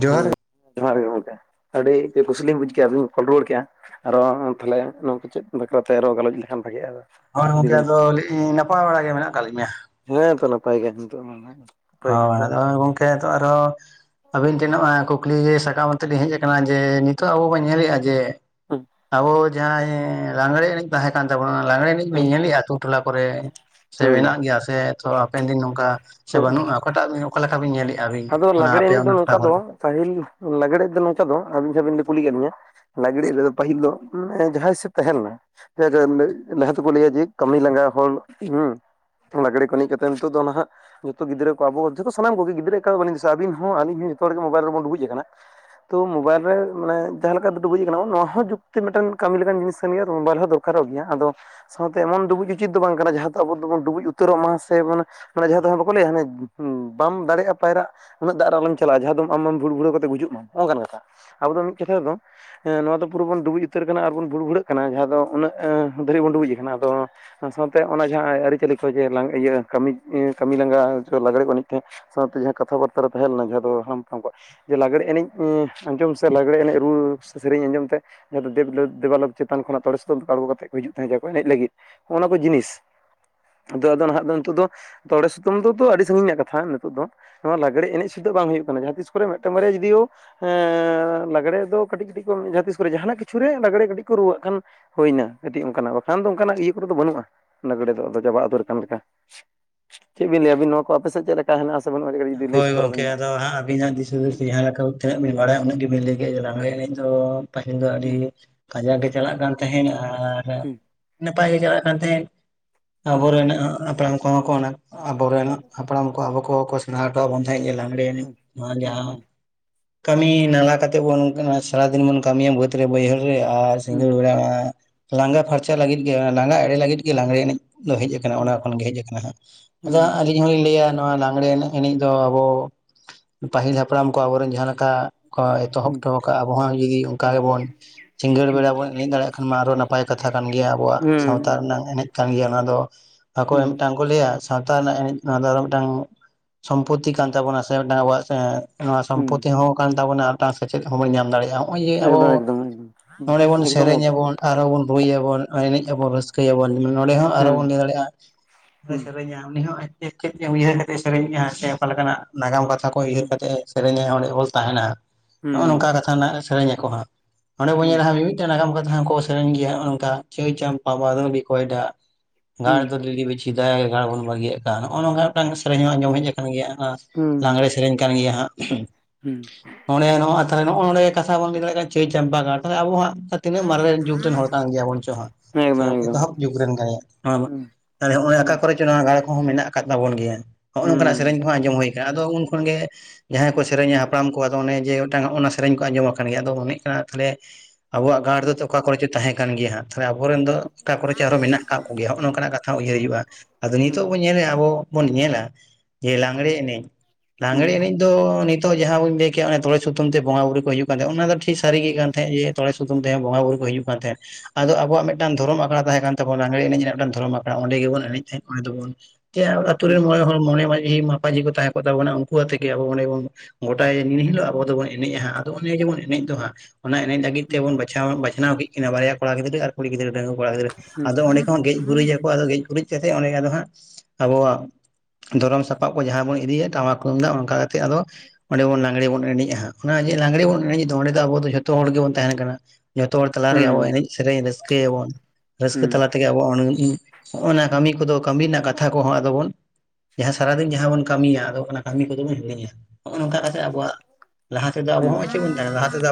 ᱡᱚᱦᱟᱨ ᱦᱩᱸ ᱜᱮ ᱡᱚᱦᱟᱨ ᱜᱮ ᱜᱚᱝᱠᱮ᱾ ᱟᱹᱰᱤ ᱠᱩᱥᱞᱤᱧ ᱵᱩᱡᱽ ᱠᱮᱭᱟ, ᱟᱵᱤᱱ ᱵᱤᱱ ᱠᱚᱞ ᱨᱩᱣᱟᱹᱲ ᱠᱮᱜᱼᱟ᱾ ᱟᱨᱚ ᱛᱟᱦᱚᱞᱮ ᱱᱩᱠᱩ ᱪᱮᱫ ᱵᱟᱠᱷᱨᱟ ᱛᱮ ᱟᱨᱚ ᱜᱟᱞᱚᱪ ᱞᱮᱠᱷᱟᱱ ᱵᱷᱟᱜᱤᱜᱼᱟ ᱟᱫᱚ᱾ ᱦᱳᱭ ᱜᱚᱢᱠᱮ ᱟᱫᱚ ᱞᱟᱹᱭ ᱤᱧ ᱱᱟᱯᱟᱭ ᱵᱟᱲᱟ ᱜᱮ ᱢᱮᱱᱟᱜ ᱟᱠᱟᱫ ᱞᱤᱧᱟ᱾ ᱦᱮᱸ ᱛᱚ ᱱᱟᱯᱟᱭ ᱜᱮ ᱱᱤᱛᱚᱜ ᱦᱚᱸ ᱦᱟᱜ᱾ ᱦᱚᱸ [unintelligible] ᱜᱚᱢᱠᱮ ᱱᱮᱛᱳ ᱟᱨᱦᱚ ᱟᱵᱤᱱ ᱴᱷᱮᱱ ᱱᱚᱜ ᱠᱩᱠᱞᱤ ᱥᱟᱠᱟᱢ ᱟᱛᱮᱫ ᱞᱤᱧ ᱦᱮᱡ ᱟᱠᱟᱱᱟ ᱡᱮ, ᱱᱤᱛᱚᱜ ᱟᱵᱚ ᱵᱚᱱ ᱧᱮᱞᱮᱜᱼᱟ ᱡᱮ ᱦᱩᱸ ᱟᱵᱚ ᱡᱟᱦᱟᱸᱭ ᱞᱟᱜᱽᱬᱮ ᱮᱱᱮᱡ ᱛᱟᱦᱮᱸ ᱠᱟᱱ ᱛᱟᱵᱚᱱᱟ᱾ ᱞᱟᱜᱽᱬᱮ ᱮᱱᱮᱡ ᱦᱩᱸ ᱵᱤᱱ ᱧᱮᱞᱮᱜᱼᱟ ᱛᱚ ᱴᱚᱞᱟ ᱠᱚᱨᱮ, ᱥᱮ ᱦᱩᱸ ᱢᱮᱱᱟᱜ ᱜᱮᱭᱟ ᱥᱮ ᱛᱚ ᱦᱟᱯᱮᱱ ᱫᱤᱱ ᱱᱚᱝᱠᱟ ᱥᱮ ᱛᱚ ᱵᱟᱹᱱᱩᱜᱼᱟ᱾ ᱚᱠᱟᱴᱟᱜ ᱚᱠᱟ ᱞᱮᱠᱟ ᱵᱤᱱ ᱧᱮᱞᱮᱜᱼᱟ ᱟᱹᱵᱤᱱ, ᱟᱫᱚ ᱚᱱᱟ ᱞᱟᱜᱽᱲᱮ ᱟᱯᱮ ᱮᱱᱮᱡ ᱫᱚ ᱚᱱᱟ ᱴᱚᱴᱷᱟ ᱱᱚᱝᱠᱟ ᱠᱷᱚᱱ? ᱫᱚ ᱯᱟᱹᱦᱤᱞ ᱞᱟᱜᱽᱲᱮ ᱫᱚ ᱱᱚᱝᱠᱟ ᱫᱚ, ᱟᱹᱵᱤᱱ ᱡᱟᱦᱟᱸᱵᱤᱱ ᱠᱩᱞᱤ ᱠᱮᱫᱤᱧᱟ᱾ ᱞᱟᱜᱽᱲᱮ ᱮᱱᱮᱡ ᱫᱚ ᱯᱟᱹᱦᱤᱞ ᱫᱚ, ᱢᱟᱱᱮ ᱡᱟᱦᱟᱸᱭ ᱦᱤᱥᱟᱹᱵ ᱛᱟᱦᱮᱸ ᱞᱮᱱᱟ [unintelligible] ᱞᱟᱦᱟ ᱛᱮ ᱠᱚ ᱞᱟᱹᱭᱟ ᱡᱮ ᱠᱟᱹᱢᱤ ᱞᱟᱸᱜᱟ ᱦᱚᱲ ᱦᱩᱸ ᱞᱟᱜᱽᱲᱮ ᱠᱚ ᱮᱱᱮᱡ ᱠᱟᱛᱮᱜ ᱱᱤᱛᱚᱜ ᱫᱚ ᱱᱟᱦᱟᱜ ᱡᱚᱛᱚ ᱜᱤᱫᱽᱨᱟᱹ ᱠᱚ ᱟᱵᱚ ᱡᱚᱛᱚ ᱥᱟᱱᱟᱢ ᱠᱚ ᱜᱮ ᱜᱤᱫᱽᱨᱟᱹ [unintelligible] ᱟᱹᱵᱤᱱ ᱦᱚᱸ ᱟᱞᱤᱧ ᱦᱚᱸ ᱡᱚᱛᱚ ᱦᱚᱲ ᱜᱮ ᱢᱳᱵᱟᱭᱤᱞ ᱨᱮ ᱵᱚᱱ ᱰᱩᱵᱩᱡ ᱟᱠᱟᱱᱟ᱾ ᱛᱚ ᱢᱳᱵᱟᱭᱤᱞ ᱨᱮ ᱢᱟᱱᱮ ᱡᱟᱦᱟᱸ ᱞᱮᱠᱟ ᱰᱩᱵᱩᱡ ᱟᱠᱟᱱᱟ ᱵᱚᱱ ᱱᱚᱣᱟ ᱦᱚᱸ ᱡᱩᱠᱛᱤ ᱢᱤᱫᱴᱮᱱ ᱠᱟᱹᱢᱤ ᱞᱮᱠᱟᱱ ᱡᱤᱱᱤᱥ ᱠᱟᱱ ᱜᱮᱭᱟ ᱢᱳᱵᱟᱭᱤᱞ ᱦᱚᱸ ᱫᱚᱨ ᱫᱚᱨᱠᱟᱨᱚᱜ ᱜᱮᱭᱟ, ᱟᱫᱚ ᱥᱟᱶ ᱛᱮ ᱮᱢᱚᱱ ᱰᱩᱵᱩᱡ ᱩᱪᱤᱛ ᱫᱚ ᱵᱟᱝ ᱠᱟᱱᱟ ᱡᱟᱦᱟᱸ ᱫᱚ ᱟᱵᱚ ᱫᱚ ᱵᱚᱱ ᱰᱩᱵᱩᱡ ᱩᱛᱟᱹᱨᱚᱜ ᱢᱟ ᱥᱮᱵᱚᱱ ᱢᱟᱱᱮ ᱡᱟᱦᱟᱸ ᱫᱚ ᱦᱟᱸᱜ ᱵᱟᱠᱚ ᱞᱟᱹᱭᱟ, ᱦᱟᱱᱮ ᱵᱟᱢ ᱫᱟᱲᱮᱭᱟᱜᱼᱟ ᱯᱟᱭᱨᱟᱜ, ᱩᱱᱟᱹᱜ ᱫᱟᱜ ᱨᱮ ᱟᱞᱚᱢ ᱪᱟᱞᱟᱜᱼᱟ ᱡᱟᱦᱟᱸ ᱫᱚ ᱟᱢ ᱵᱷᱩᱲ- ᱵᱷᱩᱲᱟᱹ ᱠᱟᱛᱮᱜ ᱜᱩᱡᱩᱜ ᱢᱟᱢ, ᱱᱚᱝᱠᱟᱱ ᱠᱟᱛᱷᱟ᱾ ᱟᱵᱚ ᱫᱚ ᱢᱤᱫ ᱠᱟᱛᱷᱟ ᱛᱮᱫᱚ ᱦᱮᱸ ᱱᱚᱣᱟ ᱫᱚ ᱯᱩᱨᱟᱹ ᱵᱚᱱ ᱰᱩᱵᱩᱡ ᱩᱛᱟᱹᱨ ᱠᱟᱱᱟ ᱟᱨ ᱵᱚᱱ ᱵᱷᱩᱲ-ᱵᱷᱩᱲᱟᱹᱜ ᱠᱟᱱᱟ ᱡᱟᱦᱟᱸ ᱫᱚ ᱩᱱᱟᱹᱜ ᱫᱷᱟᱹᱨᱤᱡ ᱵᱚᱱ ᱰᱩᱵᱩᱡ ᱟᱠᱟᱱᱟ᱾ ᱟᱫᱚ ᱥᱟᱶ ᱛᱮ ᱚᱱᱟ ᱡᱟᱦᱟᱸ ᱟᱹᱨᱤᱪᱟᱹᱞᱤ ᱠᱚ ᱡᱮ [unintelligible] ᱤᱭᱟᱹ ᱠᱟᱹᱢᱤ ᱠᱟᱹᱢᱤ ᱞᱟᱸᱜᱟ ᱞᱟᱜᱽᱲᱮ ᱠᱚ ᱮᱱᱮᱡ ᱛᱟᱦᱮᱜ ᱥᱟᱶ ᱛᱮ ᱡᱟᱦᱟᱸ ᱠᱟᱛᱷᱟ-ᱵᱟᱨᱛᱟ ᱨᱮ ᱛᱟᱦᱮᱸ ᱞᱮᱱᱟ ᱡᱟᱦᱟᱸ ᱫᱚ ᱦᱟᱲᱟᱢ-ᱯᱷᱟᱨᱟᱢ ᱠᱚᱣᱟᱜ ᱡᱮ ᱞᱟᱜᱽᱲᱮ ᱮᱱᱮᱡ ᱟᱸᱡᱚᱢ ᱥᱮ ᱞᱟᱜᱽᱲᱮ ᱮᱱᱮᱡ ᱨᱩ ᱥᱮᱨᱮᱧ ᱟᱸᱡᱚᱢ ᱛᱮ ᱡᱟᱦᱟᱸ ᱫᱚ ᱫᱮᱵ-ᱫᱮᱵ ᱫᱮᱵᱟᱞᱳ ᱪᱮᱛᱟᱱ ᱠᱷᱚᱱᱟ ᱛᱚᱲᱮ ᱥᱩᱛᱟᱹᱢ ᱛᱮᱠᱚ ᱟᱬᱜᱚ ᱠᱟᱛᱮᱫ ᱠᱚ ᱦᱤᱡᱩᱜ ᱛᱟᱦᱮᱸᱜ ᱠᱚ ᱮᱱᱮᱡ ᱞᱟᱹᱜᱤᱫ᱾ ᱦᱚᱸᱜᱼ ᱱᱚᱣᱟ ᱠᱚ ᱡᱤᱱᱤᱥ ᱟᱫᱚ ᱟᱫᱚ ᱱᱟᱦᱟᱜ ᱫᱚ ᱱᱤᱛᱚᱜ ᱫᱚ ᱛᱚᱲᱮ ᱥᱩᱛᱟᱹᱢ ᱫᱚ ᱛᱚ ᱟᱹᱰᱤ ᱥᱟᱺᱜᱤᱧ ᱨᱮᱭᱟᱜ ᱠᱟᱛᱷᱟ ᱱᱤᱛᱳ ᱫᱚ ᱱᱚᱣᱟ ᱞᱟᱜᱽᱲᱮ ᱮᱱᱮᱡ ᱥᱩᱫᱷᱟ ᱵᱟᱝ ᱦᱩᱭᱩᱜ ᱠᱟᱱᱟ ᱡᱟᱦᱟᱸ ᱛᱤᱥ ᱠᱚ ᱨᱮ ᱢᱤᱫᱟᱝ ᱵᱟᱨᱭᱟ ᱡᱩᱫᱤᱭᱳ ᱦᱮᱸ ᱞᱟᱜᱽᱲᱮ ᱫᱚ ᱠᱟᱹᱴᱤᱡ ᱠᱟᱹᱴᱤᱡ ᱠᱚ ᱡᱟᱦᱟᱸ ᱛᱤᱥ ᱠᱚ ᱨᱮ ᱡᱟᱦᱟᱱᱟᱜ ᱠᱤᱪᱷᱩ ᱨᱮ ᱞᱟᱜᱽᱲᱮ ᱠᱟᱹᱴᱤᱡ ᱠᱚ ᱨᱩᱣᱟᱹᱜ ᱠᱷᱟᱱ ᱦᱩᱭ ᱱᱟ ᱠᱟᱹᱴᱤᱡ ᱚᱱᱠᱟᱱᱟᱜ, ᱵᱟᱠᱷᱟᱱ ᱫᱚ ᱚᱱᱠᱟᱱᱟᱜ ᱤᱭᱟᱹ ᱠᱚ ᱨᱮ ᱫᱚ ᱵᱟᱹᱱᱩᱜᱼᱟ ᱚᱱᱟ ᱨᱮ ᱜᱮ ᱫᱚ ᱟᱫᱚ ᱪᱟᱵᱟ ᱩᱛᱟᱨ ᱟᱠᱟᱱ ᱞᱮᱠᱟ ᱪᱮᱫ ᱵᱤᱱ ᱞᱟᱹᱭᱟ ᱵᱤᱱ ᱱᱚᱣᱟ ᱠᱚ ᱟᱯᱮ ᱥᱮ ᱪᱮᱫ ᱞᱮᱠᱟ ᱦᱮᱱᱟᱜᱼᱟ? ᱥᱮ ᱵᱟᱹᱱᱩᱜᱼᱟ ᱠᱟᱹᱴᱤᱡ ᱡᱩᱫᱤ ᱞᱟᱹᱭ ᱦᱳᱭ ᱥᱚᱫᱚᱨ ᱜᱚᱝᱠᱮ ᱟᱵᱤᱱ ᱢᱟ ᱟᱫᱚ ᱦᱟᱸᱜ ᱟᱵᱤᱱᱟᱜ ᱫᱤᱥ ᱦᱩᱫᱤᱥ ᱡᱟᱦᱟᱸ ᱞᱮᱠᱟ ᱛᱤᱱᱟᱹᱜ ᱵᱤᱱ ᱵᱟᱲᱟᱭᱟ ᱩᱱᱟᱹᱜ ᱜᱮ ᱵᱤᱱ ᱞᱟᱹᱭ ᱠᱮᱜᱼᱟ, ᱞᱟᱜᱽᱲᱮ ᱮᱱᱮᱡ ᱫᱚ ᱯᱟᱹᱦᱤᱞ ᱫᱚ ᱟᱹᱰᱤ ᱦᱩᱸ ᱠᱟᱡᱟᱠ ᱜᱮ ᱪᱟᱞᱟᱜ ᱠᱟᱱ ᱛᱟᱦᱮᱸᱫ, ᱟᱨ ᱦᱩᱸ ᱱᱟᱯᱟᱭ ᱜᱮ ᱪᱟᱞᱟᱜ ᱠᱟᱱ ᱛᱟᱦᱮᱸᱫ᱾ ᱟᱵᱚ ᱦᱩᱸ ᱨᱮᱱ ᱦᱟᱯᱲᱟᱢ ᱠᱚ ᱦᱚᱸ ᱠᱚ ᱚᱱᱟ ᱟᱵᱚ ᱨᱮᱱ ᱦᱟᱯᱲᱟᱢ ᱠᱚ ᱟᱵᱚ ᱠᱚ ᱥᱮᱬᱟ ᱦᱚᱴᱚᱣᱟ ᱵᱚᱱ ᱛᱟᱦᱮᱸᱫ ᱜᱮ ᱞᱟᱜᱽᱲᱮ ᱮᱱᱮᱡ ᱦᱩᱸ ᱦᱩᱸ ᱱᱚᱣᱟ ᱦᱩᱸ ᱡᱟᱦᱟᱸᱼᱼ ᱦᱩᱸ ᱠᱟᱹᱢᱤ ᱱᱟᱞᱟ ᱠᱟᱛᱮᱫ ᱵᱚᱱ ᱥᱟᱨᱟ ᱫᱤᱱ ᱵᱚᱱ ᱠᱟᱹᱢᱤᱭᱟ ᱵᱟᱹᱫᱽ ᱨᱮ ᱵᱟᱹᱭᱦᱟᱹᱲ ᱨᱮ ᱟᱨ ᱥᱤᱸᱜᱟᱹᱲ ᱦᱩᱸ ᱵᱮᱲᱟ ᱞᱟᱸᱜᱟ ᱯᱷᱟᱨᱪᱟ ᱞᱟᱹᱜᱤᱫ ᱜᱮ ᱞᱟᱸᱜᱟ [unintelligible] ᱞᱟᱹᱜᱤᱫ ᱜᱮ ᱞᱟᱜᱽᱲᱮ ᱮᱱᱮᱡ ᱫᱚ ᱦᱮᱡ ᱠᱟᱱᱟ᱾ ᱦᱩᱸ ᱚᱱᱟ ᱠᱷᱚᱱ ᱜᱮ ᱦᱮᱡ ᱟᱠᱟᱱᱟ ᱦᱟᱸᱜ ᱦᱩᱸ ᱦᱩᱸ ᱦᱩᱸ ᱦᱩᱸ ᱟᱫᱚ ᱟᱹᱞᱤᱧ ᱦᱚᱞᱤᱧ ᱞᱟᱹᱭᱟ ᱱᱚᱣᱟ ᱞᱟᱜᱽᱬᱮ ᱮᱱᱮᱡ ᱮᱱᱮᱡ ᱫᱚ ᱟᱵᱚ ᱯᱟᱹᱦᱤᱞ ᱦᱟᱯᱲᱟᱢ ᱠᱚ ᱟᱵᱚ ᱨᱮᱱ ᱡᱟᱦᱟᱸ ᱞᱮᱠᱟᱼᱼ ᱠᱚ ᱮᱛᱚᱦᱚᱵ ᱦᱚᱴᱚ ᱠᱟᱜᱼᱟ ᱟᱵᱚ ᱦᱚᱸ ᱡᱩᱫᱤ ᱚᱱᱠᱟ ᱜᱮ ᱵᱚᱱ ᱥᱤᱸᱜᱟᱹᱲ ᱵᱮᱲᱟ ᱵᱚᱱ ᱮᱱᱮᱡ ᱫᱟᱲᱮᱭᱟᱜ ᱠᱷᱟᱱ ᱢᱟ ᱟᱨᱚ ᱱᱟᱯᱟᱭ ᱠᱟᱛᱷᱟ ᱠᱟᱱ ᱜᱮᱭᱟ ᱟᱵᱚᱣᱟᱜ ᱦᱩᱸ ᱥᱟᱶᱛᱟ ᱨᱮᱱᱟᱜ ᱮᱱᱮᱡᱼᱼ ᱠᱟᱱ ᱜᱮᱭᱟ ᱱᱚᱣᱟ ᱫᱚ ᱟᱠᱚ ᱦᱩᱸ ᱢᱤᱫᱴᱟᱝ ᱠᱚ ᱞᱟᱹᱭᱟ ᱥᱟᱶᱛᱟ ᱨᱮᱱᱟᱜ ᱮᱱᱮᱡ ᱫᱚ ᱟᱨᱚ ᱢᱤᱫᱴᱟᱝ ᱥᱚᱢᱯᱚᱛᱛᱤ ᱠᱟᱱ ᱦᱩᱸ ᱛᱟᱵᱚᱱᱟ ᱥᱮ ᱢᱤᱫᱴᱟᱝ ᱟᱵᱚᱣᱟᱜ ᱱᱚᱣᱟ ᱦᱩᱸ ᱥᱚᱢᱯᱚᱛᱛᱤ ᱦᱚᱸ ᱠᱟᱱ ᱛᱟᱵᱚᱱᱟ [unintelligible] ᱥᱮᱪᱮᱫ ᱦᱚᱸ ᱵᱚᱱ ᱧᱟᱢ ᱫᱟᱲᱮᱭᱟᱜᱼᱟ ᱱᱚᱜᱼᱚᱭ ᱡᱮ ᱟᱵᱚ ᱮᱠᱫᱚᱢ ᱮᱠᱫᱚᱢ ᱮᱠᱫᱚᱢ ᱦᱩᱸ ᱱᱚᱸᱰᱮ ᱵᱚᱱ ᱮᱠᱫᱚᱢ ᱥᱮᱨᱮᱧ ᱜᱚᱝᱠᱮ ᱟᱵᱚᱱ ᱟᱨᱚ ᱵᱚᱱ ᱨᱩᱭ ᱟᱵᱚᱱ ᱮᱱᱮᱡ ᱟᱵᱚᱱ ᱨᱟᱹᱥᱠᱟᱹᱭ ᱟᱵᱚᱱ ᱱᱚᱰᱮ ᱦᱚᱸ ᱟᱨᱚ ᱵᱚᱱ ᱦᱩᱸ ᱞᱟᱹᱭ ᱫᱟᱲᱮᱭᱟᱜᱼᱟ ᱦᱩᱸ ᱥᱮᱨᱮᱧᱟ ᱩᱱᱤ ᱦᱚᱸ ᱪᱮᱫ ᱪᱮᱫ ᱩᱭᱦᱟᱹᱨ ᱠᱟᱛᱮ ᱮ ᱥᱮᱨᱮᱧ ᱮᱫᱼᱟ ᱥᱮ ᱚᱠᱟ ᱞᱮᱠᱟᱱᱟᱜ ᱱᱟᱜᱟᱢ ᱠᱟᱛᱷᱟ ᱠᱚ ᱩᱭᱦᱟᱹᱨ ᱦᱩᱸ ᱠᱟᱛᱮ ᱮ ᱥᱮᱨᱮᱧᱟ ᱚᱸᱰᱮ ᱚᱞ ᱛᱟᱦᱮᱱᱟ ᱱᱚᱜᱼᱚ ᱱᱚᱝᱠᱟ ᱦᱩᱸ ᱦᱩᱸ ᱠᱟᱛᱷᱟ ᱨᱮᱱᱟᱜ ᱥᱮᱨᱮᱧ ᱟᱠᱚ ᱦᱟᱸᱜ ᱚᱸᱰᱮ ᱵᱚᱱ ᱧᱮᱞᱟ ᱢᱤᱼᱢᱤᱫ ᱱᱟᱜᱟᱢ ᱠᱟᱛᱷᱟ ᱦᱚᱸ ᱠᱚ ᱥᱮᱨᱮᱧ ᱜᱮᱭᱟ ᱱᱚᱜᱼᱚᱭ ᱱᱚᱝᱠᱟ ᱪᱟᱹᱭ ᱪᱟᱢᱯᱟ ᱵᱟᱫᱚᱞᱤ ᱠᱚᱭᱰᱟᱼᱼ ᱜᱟᱲ ᱫᱚ ᱦᱩᱸ ᱵᱤᱞᱤ ᱵᱤᱪᱷᱤ ᱫᱟᱭᱟ ᱜᱮ ᱜᱟᱲ ᱵᱚᱱ ᱵᱟᱹᱜᱤᱭᱟᱜ ᱠᱟᱱ ᱱᱚᱜᱼᱚ ᱱᱚᱝᱠᱟ ᱢᱤᱫᱴᱟᱝᱼᱼ ᱥᱮᱨᱮᱧ ᱦᱚᱸ ᱟᱸᱡᱚᱢ ᱦᱩᱸ ᱦᱮᱡ ᱠᱟᱱ ᱜᱮᱭᱟ ᱦᱩᱸ ᱞᱟᱜᱽᱲᱮ ᱥᱮᱨᱮᱧ ᱠᱟᱱ ᱜᱮᱭᱟ ᱦᱟᱸᱜ᱾ ᱦᱩᱸ᱾ ᱱᱚᱸᱰᱮ ᱱᱚᱣᱟ ᱛᱟᱦᱚᱞᱮ ᱱᱚᱜᱼᱚ ᱱᱚᱰᱮ ᱠᱟᱛᱷᱟ ᱵᱚᱱ ᱞᱟᱹᱭ ᱫᱟᱲᱮᱭᱟᱜ ᱠᱟᱱᱟ ᱪᱟᱹᱭ ᱪᱟᱢᱯᱟ ᱜᱟᱲ ᱛᱟᱦᱞᱮ ᱟᱵᱚ ᱦᱟᱸᱜᱼᱼ ᱛᱤᱱᱟᱹᱜ ᱢᱟᱨᱮ ᱨᱮᱱ ᱡᱩᱜᱽ ᱨᱮᱱ ᱦᱚᱲ ᱠᱟᱱ ᱜᱮᱭᱟᱵᱚᱱ ᱪᱚ ᱦᱟᱸᱜ᱾ ᱮᱠᱫᱚᱢ ᱮᱠᱫᱚᱢ ᱮᱛᱚᱦᱚᱵ ᱡᱩᱜᱽ ᱨᱮᱱ ᱠᱟᱱ ᱜᱮᱭ ᱦᱩᱸ ᱛᱟᱞᱦᱮ ᱱᱚᱜᱼᱚᱭ ᱟᱠᱟ ᱦᱩᱸ ᱠᱚᱨᱮ ᱪᱚ ᱚᱱᱟ ᱜᱟᱲ ᱠᱚᱦᱚᱸ ᱢᱮᱱᱟᱜ ᱟᱠᱟᱫ ᱛᱟᱵᱚᱱ ᱜᱮᱭᱟ᱾ ᱱᱚᱜᱼᱚ ᱱᱚᱝᱠᱟᱱᱟᱜ ᱥᱮᱨᱮᱧ ᱦᱩᱸ ᱠᱚ ᱦᱚᱸ ᱟᱸᱡᱚᱢ ᱦᱩᱭ ᱠᱟᱱᱟ ᱟᱫᱚ ᱩᱱ ᱠᱷᱚᱱ ᱜᱮ ᱡᱟᱦᱟᱸᱭ ᱠᱚ ᱥᱮᱨᱮᱧᱟ ᱦᱩᱸ ᱦᱟᱯᱲᱟᱢ ᱠᱚ ᱠᱚ ᱟᱫᱚ ᱚᱱᱮ ᱡᱮ ᱢᱤᱫᱴᱟᱝ ᱦᱚ-ᱚᱱᱟ ᱥᱮᱨᱮᱧ ᱠᱚ ᱟᱸᱡᱚᱢ ᱟᱠᱟᱱ ᱜᱮᱭᱟ ᱟᱫᱚ ᱢᱚᱱᱮ ᱦᱩᱭᱩᱜ ᱠᱟᱱᱟ ᱛᱟᱦᱚᱞᱮᱼᱼ ᱟᱵᱚᱣᱟᱜ ᱜᱟᱲ ᱦᱩᱸ ᱫᱚ ᱚᱠᱟ ᱠᱚᱨᱮ ᱪᱚ ᱛᱟᱦᱮᱸ ᱠᱟᱱ ᱜᱮᱭᱟ ᱦᱟᱸᱜ᱾ ᱛᱟᱦᱚᱞᱮ ᱟᱵᱚᱨᱮᱱ ᱫᱚ ᱚᱠᱟ ᱠᱚᱨᱮ ᱪᱚ ᱟᱨᱦᱚᱸ ᱢᱮᱱᱟᱜ ᱠᱟᱫ ᱠᱚᱜᱮᱭᱟ ᱦᱚᱜᱼᱚ ᱱᱚᱝᱠᱟᱱᱟᱜ ᱠᱟᱛᱷᱟ ᱩᱭᱦᱟᱹᱨ ᱦᱩᱭᱩᱜᱼᱟ᱾ ᱟᱫᱚ ᱦᱩᱸ ᱦᱩᱸ ᱱᱤᱛᱚᱜ ᱵᱚᱱ ᱧᱮᱞᱮᱜ-ᱟ, ᱟᱵᱚ ᱵᱚᱱ ᱧᱮᱞᱟ ᱡᱮ ᱦᱩᱸ ᱞᱟᱝᱜᱲᱮ ᱮᱱᱮᱡ ᱞᱟᱝᱜᱲᱮ ᱦᱩᱸ ᱮᱱᱮᱡᱼᱼ ᱫᱚ ᱱᱤᱛᱚᱜ ᱡᱟᱦᱟᱸ ᱵᱮᱱᱞᱟᱹᱭ ᱠᱮᱜ-ᱟ, ᱚᱱᱮ ᱛᱚᱲᱮ ᱥᱩᱛᱟᱹᱢ ᱛᱮ ᱵᱚᱸᱜᱟ ᱵᱩᱨᱩ ᱠᱚ ᱦᱤᱡᱩᱜ ᱠᱟᱱ ᱛᱟᱦᱮᱸᱫ ᱚᱱᱟ ᱫᱚ ᱴᱷᱤᱠ ᱦᱩᱸ ᱦᱩᱸ ᱦᱩᱸ ᱥᱟᱨᱤ ᱦᱩᱸ ᱦᱩᱸ ᱜᱮ ᱦᱩᱸ ᱦᱩᱸ ᱦᱩᱸ ᱦᱩᱸ ᱠᱟᱱ ᱛᱟᱦᱮᱸᱜ ᱡᱮᱼᱼ ᱛᱚᱲᱮ ᱥᱩᱛᱟᱹᱢ ᱛᱮ ᱦᱚᱸ ᱵᱚᱸᱜᱟ ᱵᱩᱨᱩ ᱠᱚ ᱦᱤᱡᱩᱜ ᱠᱟᱱ ᱛᱟᱦᱮᱸᱫ, ᱟᱫᱚ ᱟᱵᱣᱟᱜ ᱢᱤᱫᱴᱟᱱ ᱫᱷᱚᱨᱚᱢ ᱟᱠᱷᱲᱟ ᱛᱟᱦᱮᱸ ᱠᱟᱱ ᱛᱟᱵᱚᱱᱟ ᱞᱟᱜᱽᱲᱮ ᱮᱱᱮᱡ ᱨᱮᱱᱟᱜ ᱢᱤᱫᱟᱝ ᱫᱷᱚᱨᱚᱢ ᱟᱠᱷᱲᱟ᱾ ᱚᱸᱰᱮ ᱜᱮᱵᱚᱱ ᱮᱱᱮᱡ ᱛᱟᱦᱮᱸ ᱚᱸᱰᱮ ᱫᱚᱵᱚᱱ ᱪᱮᱫ ᱟᱛᱳ ᱨᱮ ᱢᱚᱬᱮ ᱦᱚᱲ᱾ ᱚᱱᱮ ᱢᱟᱺᱡᱷᱤ ᱢᱟᱯᱟᱡᱷᱤ ᱠᱚ ᱛᱟᱦᱮᱸ ᱠᱚᱜ ᱛᱟᱵᱚᱱᱟ ᱩᱱᱠᱩ ᱟᱛᱮᱜᱮ ᱟᱵᱚ ᱚᱸᱰᱮ ᱵᱚᱱᱼᱼ ᱜᱳᱴᱟᱭ ᱤᱱᱟᱹ ᱦᱤᱞᱳᱜ ᱟᱵᱚ ᱫᱚᱵᱚᱱ ᱮᱱᱮᱡᱼᱟ ᱦᱟᱸᱜ ᱟᱫᱚ ᱚᱱᱮ ᱡᱮᱵᱚᱱ ᱮᱱᱮᱡ ᱫᱚ ᱦᱟᱸᱜᱼᱼ ᱚᱱᱟ ᱮᱱᱮᱡ ᱞᱟᱹᱜᱤᱫ ᱛᱮᱵᱚᱱ ᱵᱟᱪᱷᱟᱣ ᱵᱟᱪᱱᱟᱣ ᱠᱮᱫ ᱠᱤᱱᱟ ᱵᱟᱨᱭᱟ ᱠᱚᱲᱟ ᱜᱤᱫᱽᱨᱟᱹ ᱟᱨᱼᱼ ᱠᱩᱲᱤ ᱜᱤᱫᱽᱨᱟᱹ ᱰᱟᱹᱜᱣᱟᱹ ᱠᱚᱲᱟ ᱜᱤᱫᱽᱨᱟᱹ ᱟᱫᱚ ᱚᱸᱰᱮ ᱠᱚᱸ ᱜᱮᱡ ᱜᱩᱨᱤᱡᱟᱠᱚ, ᱟᱫᱚ ᱜᱮᱡ ᱜᱩᱨᱤᱡᱼᱼ ᱠᱟᱛᱮ ᱚᱸᱰᱮ ᱟᱫᱚ ᱦᱟᱸᱜ ᱟᱵᱚᱣᱟᱜᱼᱼ ᱫᱷᱚᱨᱚᱢ ᱥᱟᱯᱟᱵ ᱠᱚ ᱡᱟᱦᱟᱸ ᱵᱚᱱ ᱤᱫᱤ ᱠᱟᱱ ᱫᱚ ᱴᱟᱢᱟᱠ ᱛᱩᱢᱫᱟ ᱚᱱᱠᱟ ᱠᱟᱛᱮᱫ ᱟᱫᱚᱼᱼ ᱚᱸᱰᱮ ᱵᱚᱱ ᱞᱟᱜᱽᱲᱮ ᱵᱚᱱ ᱮᱱᱮᱡᱼᱟ ᱦᱟᱜ ᱚᱱᱟ ᱡᱮ ᱞᱟᱜᱽᱬᱮ ᱵᱚᱱ ᱮᱱᱮᱡ ᱫᱚ ᱚᱸᱰᱮ ᱫᱚ ᱟᱵᱚ ᱫᱚ ᱡᱷᱚᱛᱚ ᱦᱚᱲ ᱜᱮᱵᱚᱱ ᱛᱟᱦᱮᱱ ᱠᱟᱱᱟ᱾ ᱡᱷᱚᱛᱚ ᱦᱚᱲ ᱛᱟᱞᱟᱨᱮ ᱟᱵᱚ ᱮᱱᱮᱡ ᱥᱮᱨᱮᱧ ᱨᱟᱹᱥᱠᱟᱹᱭᱟᱵᱚᱱ ᱨᱟᱹᱥᱠᱟᱹ ᱛᱟᱞᱟ ᱛᱮᱜᱮ ᱟᱵᱚᱼᱼ [unintelligible] ᱦᱚᱜᱼᱱᱟ ᱠᱟᱹᱢᱤ ᱠᱚᱫᱚ ᱠᱟᱹᱢᱤ ᱨᱮᱱᱟᱜ ᱠᱟᱛᱷᱟ ᱠᱚᱦᱚᱸ ᱟᱫᱚ ᱵᱚᱱᱼᱼ ᱡᱟᱦᱟᱸ ᱥᱟᱨᱟᱫᱤᱱ ᱡᱟᱦᱟᱸ ᱵᱚᱱ ᱠᱟᱹᱢᱤᱭᱟ ᱟᱫᱚ ᱚᱱᱟ ᱠᱟᱹᱢᱤ ᱠᱚᱫᱚ ᱵᱚᱱ ᱦᱤᱲᱤᱧᱟ ᱦᱚᱜᱼᱚ ᱱᱚᱝᱠᱟ ᱠᱟᱛᱮᱫ ᱟᱵᱚᱣᱟᱜᱼᱼ ᱞᱟᱦᱟ ᱛᱮᱫᱚ ᱟᱵᱚ ᱦᱚᱸᱚᱭ ᱪᱮᱫ ᱵᱚᱱ [unintelligible] ᱞᱟᱦᱟ ᱛᱮᱫᱚ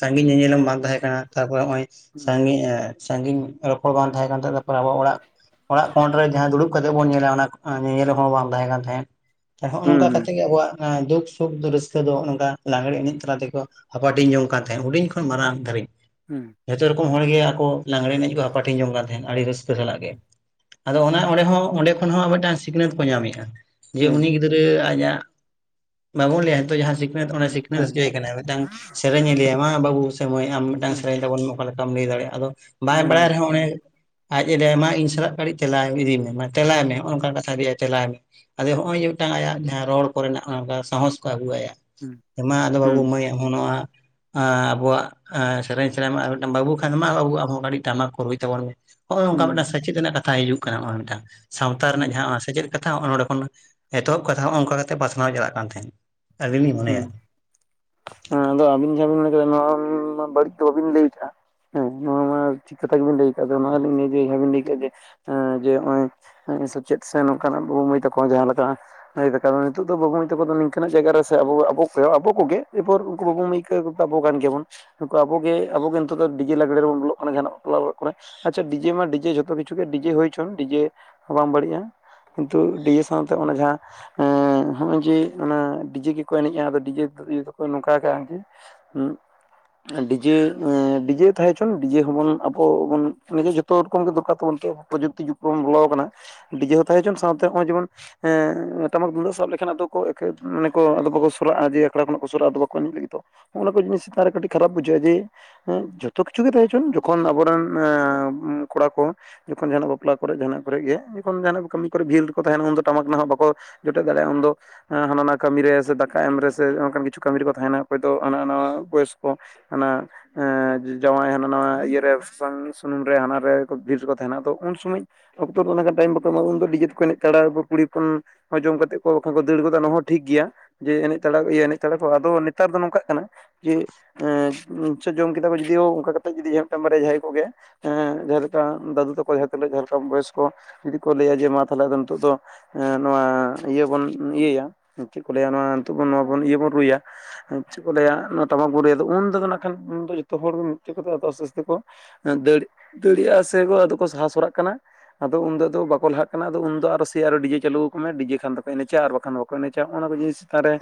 ᱥᱟᱸᱜᱤᱧ ᱧᱮᱞᱮᱞᱚᱢ ᱵᱟᱝᱼᱼ ᱛᱟᱦᱮᱸ ᱠᱟᱱᱟ ᱛᱟᱨᱯᱚᱨᱮ ᱦᱚᱜ-ᱚᱭ ᱥᱟᱜᱤᱧ ᱥᱟᱜᱤᱧᱼᱼ ᱨᱚᱯᱚᱲ ᱵᱟᱝ ᱛᱟᱦᱮᱸ ᱠᱟᱱ ᱛᱟᱨᱯᱚᱨ ᱟᱵᱚ ᱚᱲᱟᱜ ᱚᱲᱟᱜ ᱠᱚᱸᱲ ᱨᱮ ᱡᱟᱦᱟᱸ ᱫᱩᱲᱩᱵ ᱠᱟᱛᱮᱜ ᱵᱚᱱ ᱧᱮᱞᱟ ᱚᱱᱟ ᱧᱮᱞᱮᱞᱚᱢ ᱦᱚᱸ ᱵᱟᱝ ᱛᱟᱦᱮᱸ ᱠᱟᱱ ᱛᱟᱸᱮᱫ ᱦᱚᱜᱼᱱᱚᱝᱠᱟ ᱠᱟᱛᱮᱫᱼᱼ ᱛᱮᱜᱮ ᱟᱵᱚᱣᱟᱜ ᱫᱩᱠ ᱥᱩᱠ ᱨᱟᱹᱥᱠᱟᱹ ᱫᱚ ᱦᱟᱜ-ᱱᱚᱝᱠᱟ ᱞᱟᱜᱽᱲᱮ ᱮᱱᱮᱡ ᱛᱟᱞᱟ ᱛᱮᱠᱚᱼᱼ ᱦᱟᱯᱟᱴᱤᱧ ᱡᱚᱝ ᱠᱟᱱ ᱛᱟᱦᱮᱸᱫ ᱦᱩᱰᱤᱧ ᱠᱷᱚᱱ ᱢᱟᱨᱟᱝ ᱫᱷᱟᱹᱨᱤᱡ᱾ ᱡᱷᱚᱛᱚ ᱨᱚᱠᱚᱢ ᱦᱚᱲ ᱜᱮ ᱟᱠᱚ ᱞᱟᱜᱽᱲᱮ ᱮᱱᱮᱡ ᱠᱚ ᱦᱟᱯᱟᱴᱷᱧ ᱡᱚᱝ ᱠᱟᱱ ᱛᱟᱦᱮᱸᱫ ᱟᱹᱰᱤ ᱨᱟᱹᱥᱠᱟᱹ ᱥᱟᱞᱟᱜ ᱜᱮ᱾ ᱟᱫᱚ ᱚᱱᱟ ᱚᱸᱰᱮ ᱦᱚᱸ ᱚᱸᱰᱮ ᱠᱷᱚᱱ ᱦᱚᱸ ᱢᱮᱫᱴᱟᱝ ᱥᱤᱠᱷᱱᱟᱹᱛ ᱠᱚ ᱧᱟᱢᱮᱜᱼᱟ ᱡᱮ ᱩᱱᱤ ᱜᱤᱫᱽᱨᱟᱹ ᱨᱟᱹ ᱟᱡᱟᱜ ᱵᱟᱵᱚᱱ ᱞᱟᱹᱭᱟ ᱦᱮᱛᱳᱜ ᱡᱟᱦᱟᱸ ᱥᱤ ᱱᱟᱹᱛ ᱚᱱᱮ ᱥᱤᱠᱷᱱᱟᱹᱛ ᱦᱚᱪᱚᱭᱮ ᱠᱟᱱᱟ ᱢᱤᱫᱴᱟᱝ ᱥᱮᱨᱮᱧᱮ ᱞᱮᱭᱟ ᱢᱟ ᱵᱟᱹᱵᱩ ᱥᱮ ᱢᱟᱹᱭ ᱟᱢ ᱢᱤᱫᱴᱟᱝ ᱥᱮᱨᱮᱧ ᱛᱟᱵᱚᱱ ᱢᱮ᱾ ᱚᱠᱟ ᱞᱮᱠᱟᱢ ᱞᱟᱹᱭ ᱫᱟᱲᱮᱭᱟᱜᱼᱟ, ᱟᱫᱚ ᱵᱟᱭ ᱵᱟᱲᱟᱭ ᱨᱮᱦᱚᱸ ᱚᱱᱮᱼᱼ ᱟᱡ ᱮ ᱞᱟᱹᱭᱟ ᱢᱟ ᱤᱧ ᱥᱟᱞᱟᱜ ᱠᱟᱹᱴᱤᱡ ᱛᱮᱞᱟᱭ ᱤᱫᱤ ᱢᱮ ᱛᱮᱞᱟᱭ ᱢᱮ ᱱᱚᱜᱼ ᱱᱚᱝᱠᱟ ᱠᱟᱛᱷᱟ ᱞᱟᱹᱭᱟᱭ᱾ ᱛᱮᱞᱟᱭ ᱢᱮ ᱟᱫᱚ ᱦᱚᱸᱜᱼᱚᱭ ᱡᱮ ᱢᱤᱫᱴᱟᱝ ᱟᱭᱟᱜ ᱡᱟᱦᱟᱸ ᱨᱚᱲ ᱠᱚᱨᱮᱱᱟᱜ ᱚᱱᱠᱟ ᱥᱟᱦᱚᱥ ᱠᱚ ᱟᱹᱜᱩ ᱟᱭᱟ᱾ ᱢᱟ ᱟᱫᱚ ᱵᱟᱵᱚ ᱢᱟᱹᱭ ᱟᱢ ᱦᱚᱸ ᱱᱚᱶᱟᱼᱼ ᱮ ᱟᱵᱚᱣᱟᱜ ᱥᱮᱨᱮᱧ ᱥᱮᱨᱮᱧ ᱢᱮ, ᱟᱨ ᱢᱤᱫᱴᱟᱝ ᱵᱟᱹᱵᱩ ᱠᱷᱟᱱ ᱢᱟ ᱵᱟᱵᱩ ᱟᱢᱦᱚᱸ ᱠᱟᱹᱴᱤᱡ ᱴᱟᱢᱟᱠ ᱠᱚ ᱨᱩᱭ ᱛᱟᱵᱚᱱ ᱢᱮ᱾ ᱦᱚᱜᱼᱚᱭ ᱱᱚᱝᱠᱟ ᱢᱤᱫᱴᱟᱝ ᱥᱮᱪᱮᱫ ᱨᱮᱱᱟᱜ ᱠᱟᱛᱷᱟ ᱦᱤᱡᱩᱜ ᱠᱟᱱᱟ ᱱᱚᱜᱼᱚᱭ ᱢᱤᱫᱴᱟᱝ ᱦᱩᱸ ᱦᱩᱸ ᱦᱩᱸ ᱥᱟᱶᱛᱟ ᱨᱮᱱᱟᱜ ᱦᱩᱸ ᱡᱟᱦᱟᱸᱼᱼ ᱠᱟᱛᱷᱟ ᱦᱚᱜᱼᱚ ᱱᱚᱸᱰᱮ ᱠᱷᱚᱱ ᱮᱛᱚᱦᱚᱵ ᱠᱟᱛᱷᱟ ᱦᱚᱜᱼᱚ ᱚᱝᱠᱟ ᱠᱟᱛᱮᱫ ᱯᱟᱥᱱᱟᱣ ᱪᱟᱞᱟᱜ ᱠᱟᱱ ᱛᱟᱦᱮᱸᱫ ᱟᱹᱞᱤᱧ ᱞᱤᱧ ᱢᱚᱱᱮᱭᱟ᱾ ᱦᱩᱸ ᱦᱮᱸ ᱟᱫᱚ ᱟᱵᱤᱱ ᱡᱟᱦᱟᱸ ᱵᱤᱱ ᱞᱟᱹᱭ ᱟᱠᱟᱫᱟ ᱱᱚᱣᱟ ᱢᱟ ᱵᱟᱹᱲᱤᱡ ᱫᱚ ᱵᱟᱵᱤᱱ ᱞᱟᱹᱭ ᱟᱠᱟᱜᱼᱟ᱾ ᱦᱮᱸ ᱱᱚᱣᱟ ᱢᱟ ᱴᱷᱤᱠ ᱠᱟᱛᱷᱟ ᱜᱮᱵᱤᱱ ᱞᱟᱹᱭ ᱠᱟᱜᱼᱟ, [unintelligible] ᱵᱤᱱ ᱞᱟᱹᱭ ᱠᱮᱜᱼᱟ ᱡᱮᱼᱼ ᱡᱮ ᱱᱚᱜᱼᱚᱭ ᱥᱮᱪᱮᱫ ᱥᱮ ᱱᱚᱝᱠᱟᱱᱟᱜ ᱵᱟᱵᱩ ᱢᱟᱹᱭ ᱛᱟᱠᱚ ᱦᱚ ᱡᱟᱦᱟᱸᱞᱮᱠᱟᱼᱼ [unintelligible] ᱱᱤᱛᱚᱜ ᱫᱚ ᱵᱟᱵᱩ ᱢᱟᱹᱭ ᱛᱟᱠᱚ ᱫᱚ ᱱᱤᱝᱠᱱᱟᱜ ᱡᱟᱭᱜᱟ ᱨᱮ ᱚ ᱟᱵᱚ ᱠᱚ ᱟᱵᱚ ᱠᱚᱜᱮ ᱮᱨᱯᱚᱨ ᱩᱱᱠᱩ ᱵᱟᱹᱵᱩ ᱢᱟᱹᱭ ᱠᱚ ᱛᱟᱵᱚ ᱠᱟᱱ ᱜᱮᱭᱟᱵᱚᱱ᱾ ᱱᱩᱠᱩ ᱟᱵᱚ ᱜᱮ ᱟᱵᱚ ᱜᱮ ᱱᱤᱛᱚᱜ ᱫᱚ ᱰᱤᱡᱮ ᱞᱟᱜᱽᱲᱮ ᱨᱮᱵᱚᱱ ᱵᱚᱞᱚᱜ ᱠᱟᱱᱟ ᱡᱟᱦᱟᱱᱟᱜ ᱵᱟᱯᱞᱟ ᱚᱲᱟᱜ ᱠᱚᱨᱮ᱾ ᱟᱪᱪᱷᱟ ᱰᱤᱡᱮ ᱢᱟ ᱰᱤᱡᱮ ᱡᱷᱚᱛᱚ ᱠᱤᱪᱷᱩ ᱜᱮ ᱰᱤᱡᱮ ᱦᱩᱭᱪᱚᱝ ᱰᱤᱡᱮ ᱢᱟ ᱵᱟᱝ ᱵᱟᱹᱲᱤᱡᱟ᱾ ᱠᱤᱱᱛᱩ ᱰᱤᱡᱮ ᱥᱟᱶᱛᱮ ᱦᱚᱼᱚᱱᱟ ᱡᱟᱦᱟᱸ ᱱᱚᱜᱼᱚᱭ ᱡᱮ ᱚᱱᱟ ᱰᱤᱡᱮ ᱜᱮᱼᱼ ᱠᱚ ᱮᱱᱮᱡᱼᱟ ᱟᱫᱚ ᱰᱤᱡᱮ ᱤᱭᱟᱹ ᱫᱚᱠᱚ ᱱᱚᱝᱠᱟ ᱠᱟᱜᱼᱟ ᱠᱤᱼᱼ ᱰᱤᱡᱮ ᱰᱤᱡᱮ ᱛᱟᱦᱮᱸ ᱦᱚᱪᱚᱱ ᱰᱤᱡᱮ ᱦᱚᱸᱵᱚᱱ ᱟᱵᱚ ᱵᱚᱱ ᱮ ᱡᱚᱛᱼᱼ ᱡᱚᱛᱚ ᱨᱚᱠᱚᱢ ᱜᱮ ᱫᱚᱨᱠᱟᱨ ᱛᱟᱵᱚᱱᱚ ᱯᱨᱚᱡᱩᱠᱛᱤ ᱡᱩᱜᱽ ᱨᱮᱵᱚᱱ ᱵᱚᱞᱚ ᱟᱠᱟᱱᱟ᱾ ᱰᱤᱡᱮ ᱦᱚᱸ ᱛᱟᱦᱮᱸ ᱦᱚᱪᱚᱝ ᱥᱟᱶᱛᱮ ᱱᱚᱜᱼᱚᱭ ᱡᱮᱢᱚᱱ ᱴᱟᱢᱟᱠ ᱛᱩᱢᱫᱟᱜ ᱥᱟᱵ ᱞᱮᱠᱷᱟᱱ ᱟᱫᱚ ᱮ ᱢᱟᱱᱮ ᱠᱚᱼᱼ ᱵᱟᱠᱚ ᱥᱚᱨᱩᱨᱟᱜᱼᱟ ᱡᱮ ᱟᱠᱷᱲᱟ ᱠᱷᱚᱱᱟᱜ ᱠᱚ ᱥᱚᱨᱩᱨᱟᱜᱼᱟ ᱫᱚ ᱵᱟᱠᱚ ᱮᱱᱮᱡ ᱞᱟᱹᱜᱤᱫ ᱫᱚᱼ ᱚᱱᱟ ᱠᱚ ᱡᱤᱥ ᱪᱮᱛᱟᱱ ᱨᱮ ᱠᱟᱹᱤᱡ ᱠᱷᱟᱨᱟᱯ ᱵᱩᱡᱷᱟᱹᱜᱼᱟ᱾ ᱡᱮᱼᱼ ᱦᱮᱸ ᱡᱚᱛᱚ ᱠᱤᱪᱷᱩ ᱜᱮ ᱛᱟᱦᱮᱸ ᱦᱚᱪᱚᱱ ᱡᱚᱠᱷᱚᱱ ᱟᱵᱚᱨᱮᱱ ᱠᱚᱲᱟ ᱠᱚᱼᱼ ᱡᱚᱠᱷᱚᱱ ᱡᱟᱦᱟᱱᱟᱜ ᱵᱟᱯᱞᱟ ᱠᱚᱨᱮ ᱡᱟᱦᱟᱱᱟᱜ ᱠᱚᱨᱮ ᱜᱮ ᱡᱚᱠᱷᱚᱱ ᱡᱟᱦᱟᱱᱟᱜ ᱠᱟᱹᱢᱤ ᱠᱚᱨᱮ ᱵᱷᱤ ᱨᱮᱠᱚ ᱛᱟᱦᱮᱱᱟ ᱩᱱᱫᱚ ᱴᱟᱢᱟᱠ ᱱᱟᱦᱟᱜ ᱵᱟᱠᱚᱼᱼ ᱡᱚᱴᱮᱫ ᱫᱟᱲᱮᱭᱟᱜᱼᱟ ᱩᱱ ᱫᱚ ᱦᱟᱱᱟ ᱠᱟᱹᱢᱤ ᱨᱮ ᱥᱮᱼᱼ ᱛᱟᱭᱚᱢ ᱨᱮ ᱥᱮ ᱚᱱᱠᱟᱱ ᱠᱤᱪᱷᱩ ᱠᱟᱹᱢᱤ ᱨᱮᱠᱚ ᱛᱟᱦᱮᱱᱟ ᱚᱠᱚᱭ ᱫᱚ ᱦᱟᱱᱟ ᱱᱟᱣᱟ ᱵᱚᱭᱚᱥᱠᱚ ᱦᱟᱱᱟᱼᱼ ᱡᱟᱶᱟᱭ ᱦᱟᱱᱟ ᱱᱟᱶᱟ ᱤᱭᱟ ᱨᱮ ᱥᱟᱥᱟᱝ ᱥᱩᱱᱩᱢ ᱨᱮ ᱦᱟᱱᱟ ᱨᱮ ᱵᱷᱤᱲ ᱨᱮᱠᱚ ᱛᱟᱦᱮᱱᱟ ᱛᱚ ᱩᱱ ᱥᱚᱢᱚᱭᱼᱼ ᱚᱠᱛᱚ ᱩᱱᱟᱹᱜ ᱜᱟᱱ ᱴᱟᱭᱤᱢ ᱵᱟᱠᱚ ᱮᱢᱚᱜ ᱟ ᱩᱱᱫᱚ ᱫᱚ ᱰᱤᱡᱮ ᱛᱮᱠᱚ ᱮᱱᱮᱡ ᱦᱟᱛᱟᱣᱟ ᱩᱱᱫᱚ ᱠᱩᱲᱤ, ᱠᱷᱚᱱᱼᱼ ᱦᱚᱭ ᱡᱚᱢ ᱠᱟᱛᱮ ᱠᱚ ᱵᱟᱠᱷ ᱠᱚ ᱫᱟᱹᱲ ᱜᱚᱫᱟ ᱚᱱᱟ ᱦᱚᱸ ᱴᱷᱤᱠ ᱜᱮᱭᱟ᱾ ᱡᱮ ᱮᱱᱮᱡ ᱛᱟᱲᱟ ᱤᱭᱟᱹ ᱮᱱᱮᱡ ᱛᱟᱲᱟ ᱠᱚ ᱟᱫᱚ ᱱᱮᱛᱟᱨ ᱫᱚ ᱱᱚᱝᱠᱟᱜ ᱠᱟᱱᱟ ᱡᱮ ᱮᱸᱼᱼ ᱥᱮ ᱡᱚᱢ ᱠᱮᱫᱟ ᱠᱚ ᱡᱩᱫᱤᱣᱚ ᱚᱱᱠᱟ ᱠᱟᱛᱮ ᱡᱩᱫᱤ ᱢᱤᱫᱴᱟᱝ ᱵᱟᱨᱭᱟ ᱡᱟᱦᱟᱸᱭ ᱠᱚᱜᱮ, ᱡᱟᱦᱟ ᱞᱮᱠᱟ ᱫᱟᱹᱫᱩ ᱛᱟᱠᱚ ᱡᱟᱦᱟᱸ ᱛᱤᱱᱟᱹᱜ ᱡᱟᱦᱟᱸ ᱞᱮᱠᱟ ᱵᱚᱭᱚᱥ ᱠᱚ ᱡᱩᱫᱤ ᱠᱚ ᱞᱟᱹᱭᱟ ᱡᱮ ᱢᱟ ᱛᱟᱦᱞᱮ ᱟᱫᱚ ᱱᱤᱛᱚᱜ ᱫᱚᱼᱼ ᱱᱚᱣᱟ ᱤᱭᱟᱹ ᱵᱚᱱ ᱤᱭᱟᱹᱭᱟ ᱪᱮᱫ ᱠᱚ ᱞᱟᱹᱭᱟ ᱱᱚᱣᱟ ᱱᱤᱛᱚᱜ ᱤᱭᱟᱹ ᱵᱚᱱ ᱨᱩᱭᱟ? ᱪᱮᱫ ᱠᱚ ᱞᱟᱹᱭᱟ ᱱᱚᱣᱟ ᱴᱟᱢᱟᱠ ᱵᱚ ᱨᱩᱭᱟ ᱫᱚ ᱩᱱ ᱫᱚ ᱱᱟᱜ ᱠᱷᱟᱱ ᱩᱱ ᱫᱚ ᱡᱚᱛᱚ ᱦᱚᱲ ᱢᱤᱫ ᱛᱤ ᱠᱚᱼᱼ ᱫ ᱫᱟᱲᱮᱭᱟᱜᱼᱟ ᱥᱮ ᱟᱫᱚ ᱠᱚ ᱥᱟᱦᱟ ᱥᱚᱨᱟᱜ ᱠᱟᱱᱟ᱾ ᱟᱫᱚ ᱩᱱ ᱫᱚ ᱟᱫᱚ ᱵᱟᱠᱚ ᱞᱟᱦᱟᱜ ᱠᱟᱱᱟ ᱟᱫᱚ ᱩᱱᱫᱚ ᱟᱫᱚ ᱥᱮ ᱟᱨᱚ ᱰᱤᱡᱮ ᱪᱟᱹᱞᱩ ᱟᱠᱚ ᱢᱮ ᱰᱤᱡᱮ ᱠᱷᱟᱱ ᱫᱚᱠᱚ ᱮᱱᱮᱡᱟ ᱟᱨ ᱵᱟᱠᱷᱟᱱ ᱫᱚᱠᱚ ᱮᱱᱮᱡᱟ, ᱚᱱᱟ ᱠᱚ ᱡᱤᱱᱤᱥ ᱪᱮᱛᱟᱱ ᱨᱮᱼᱼ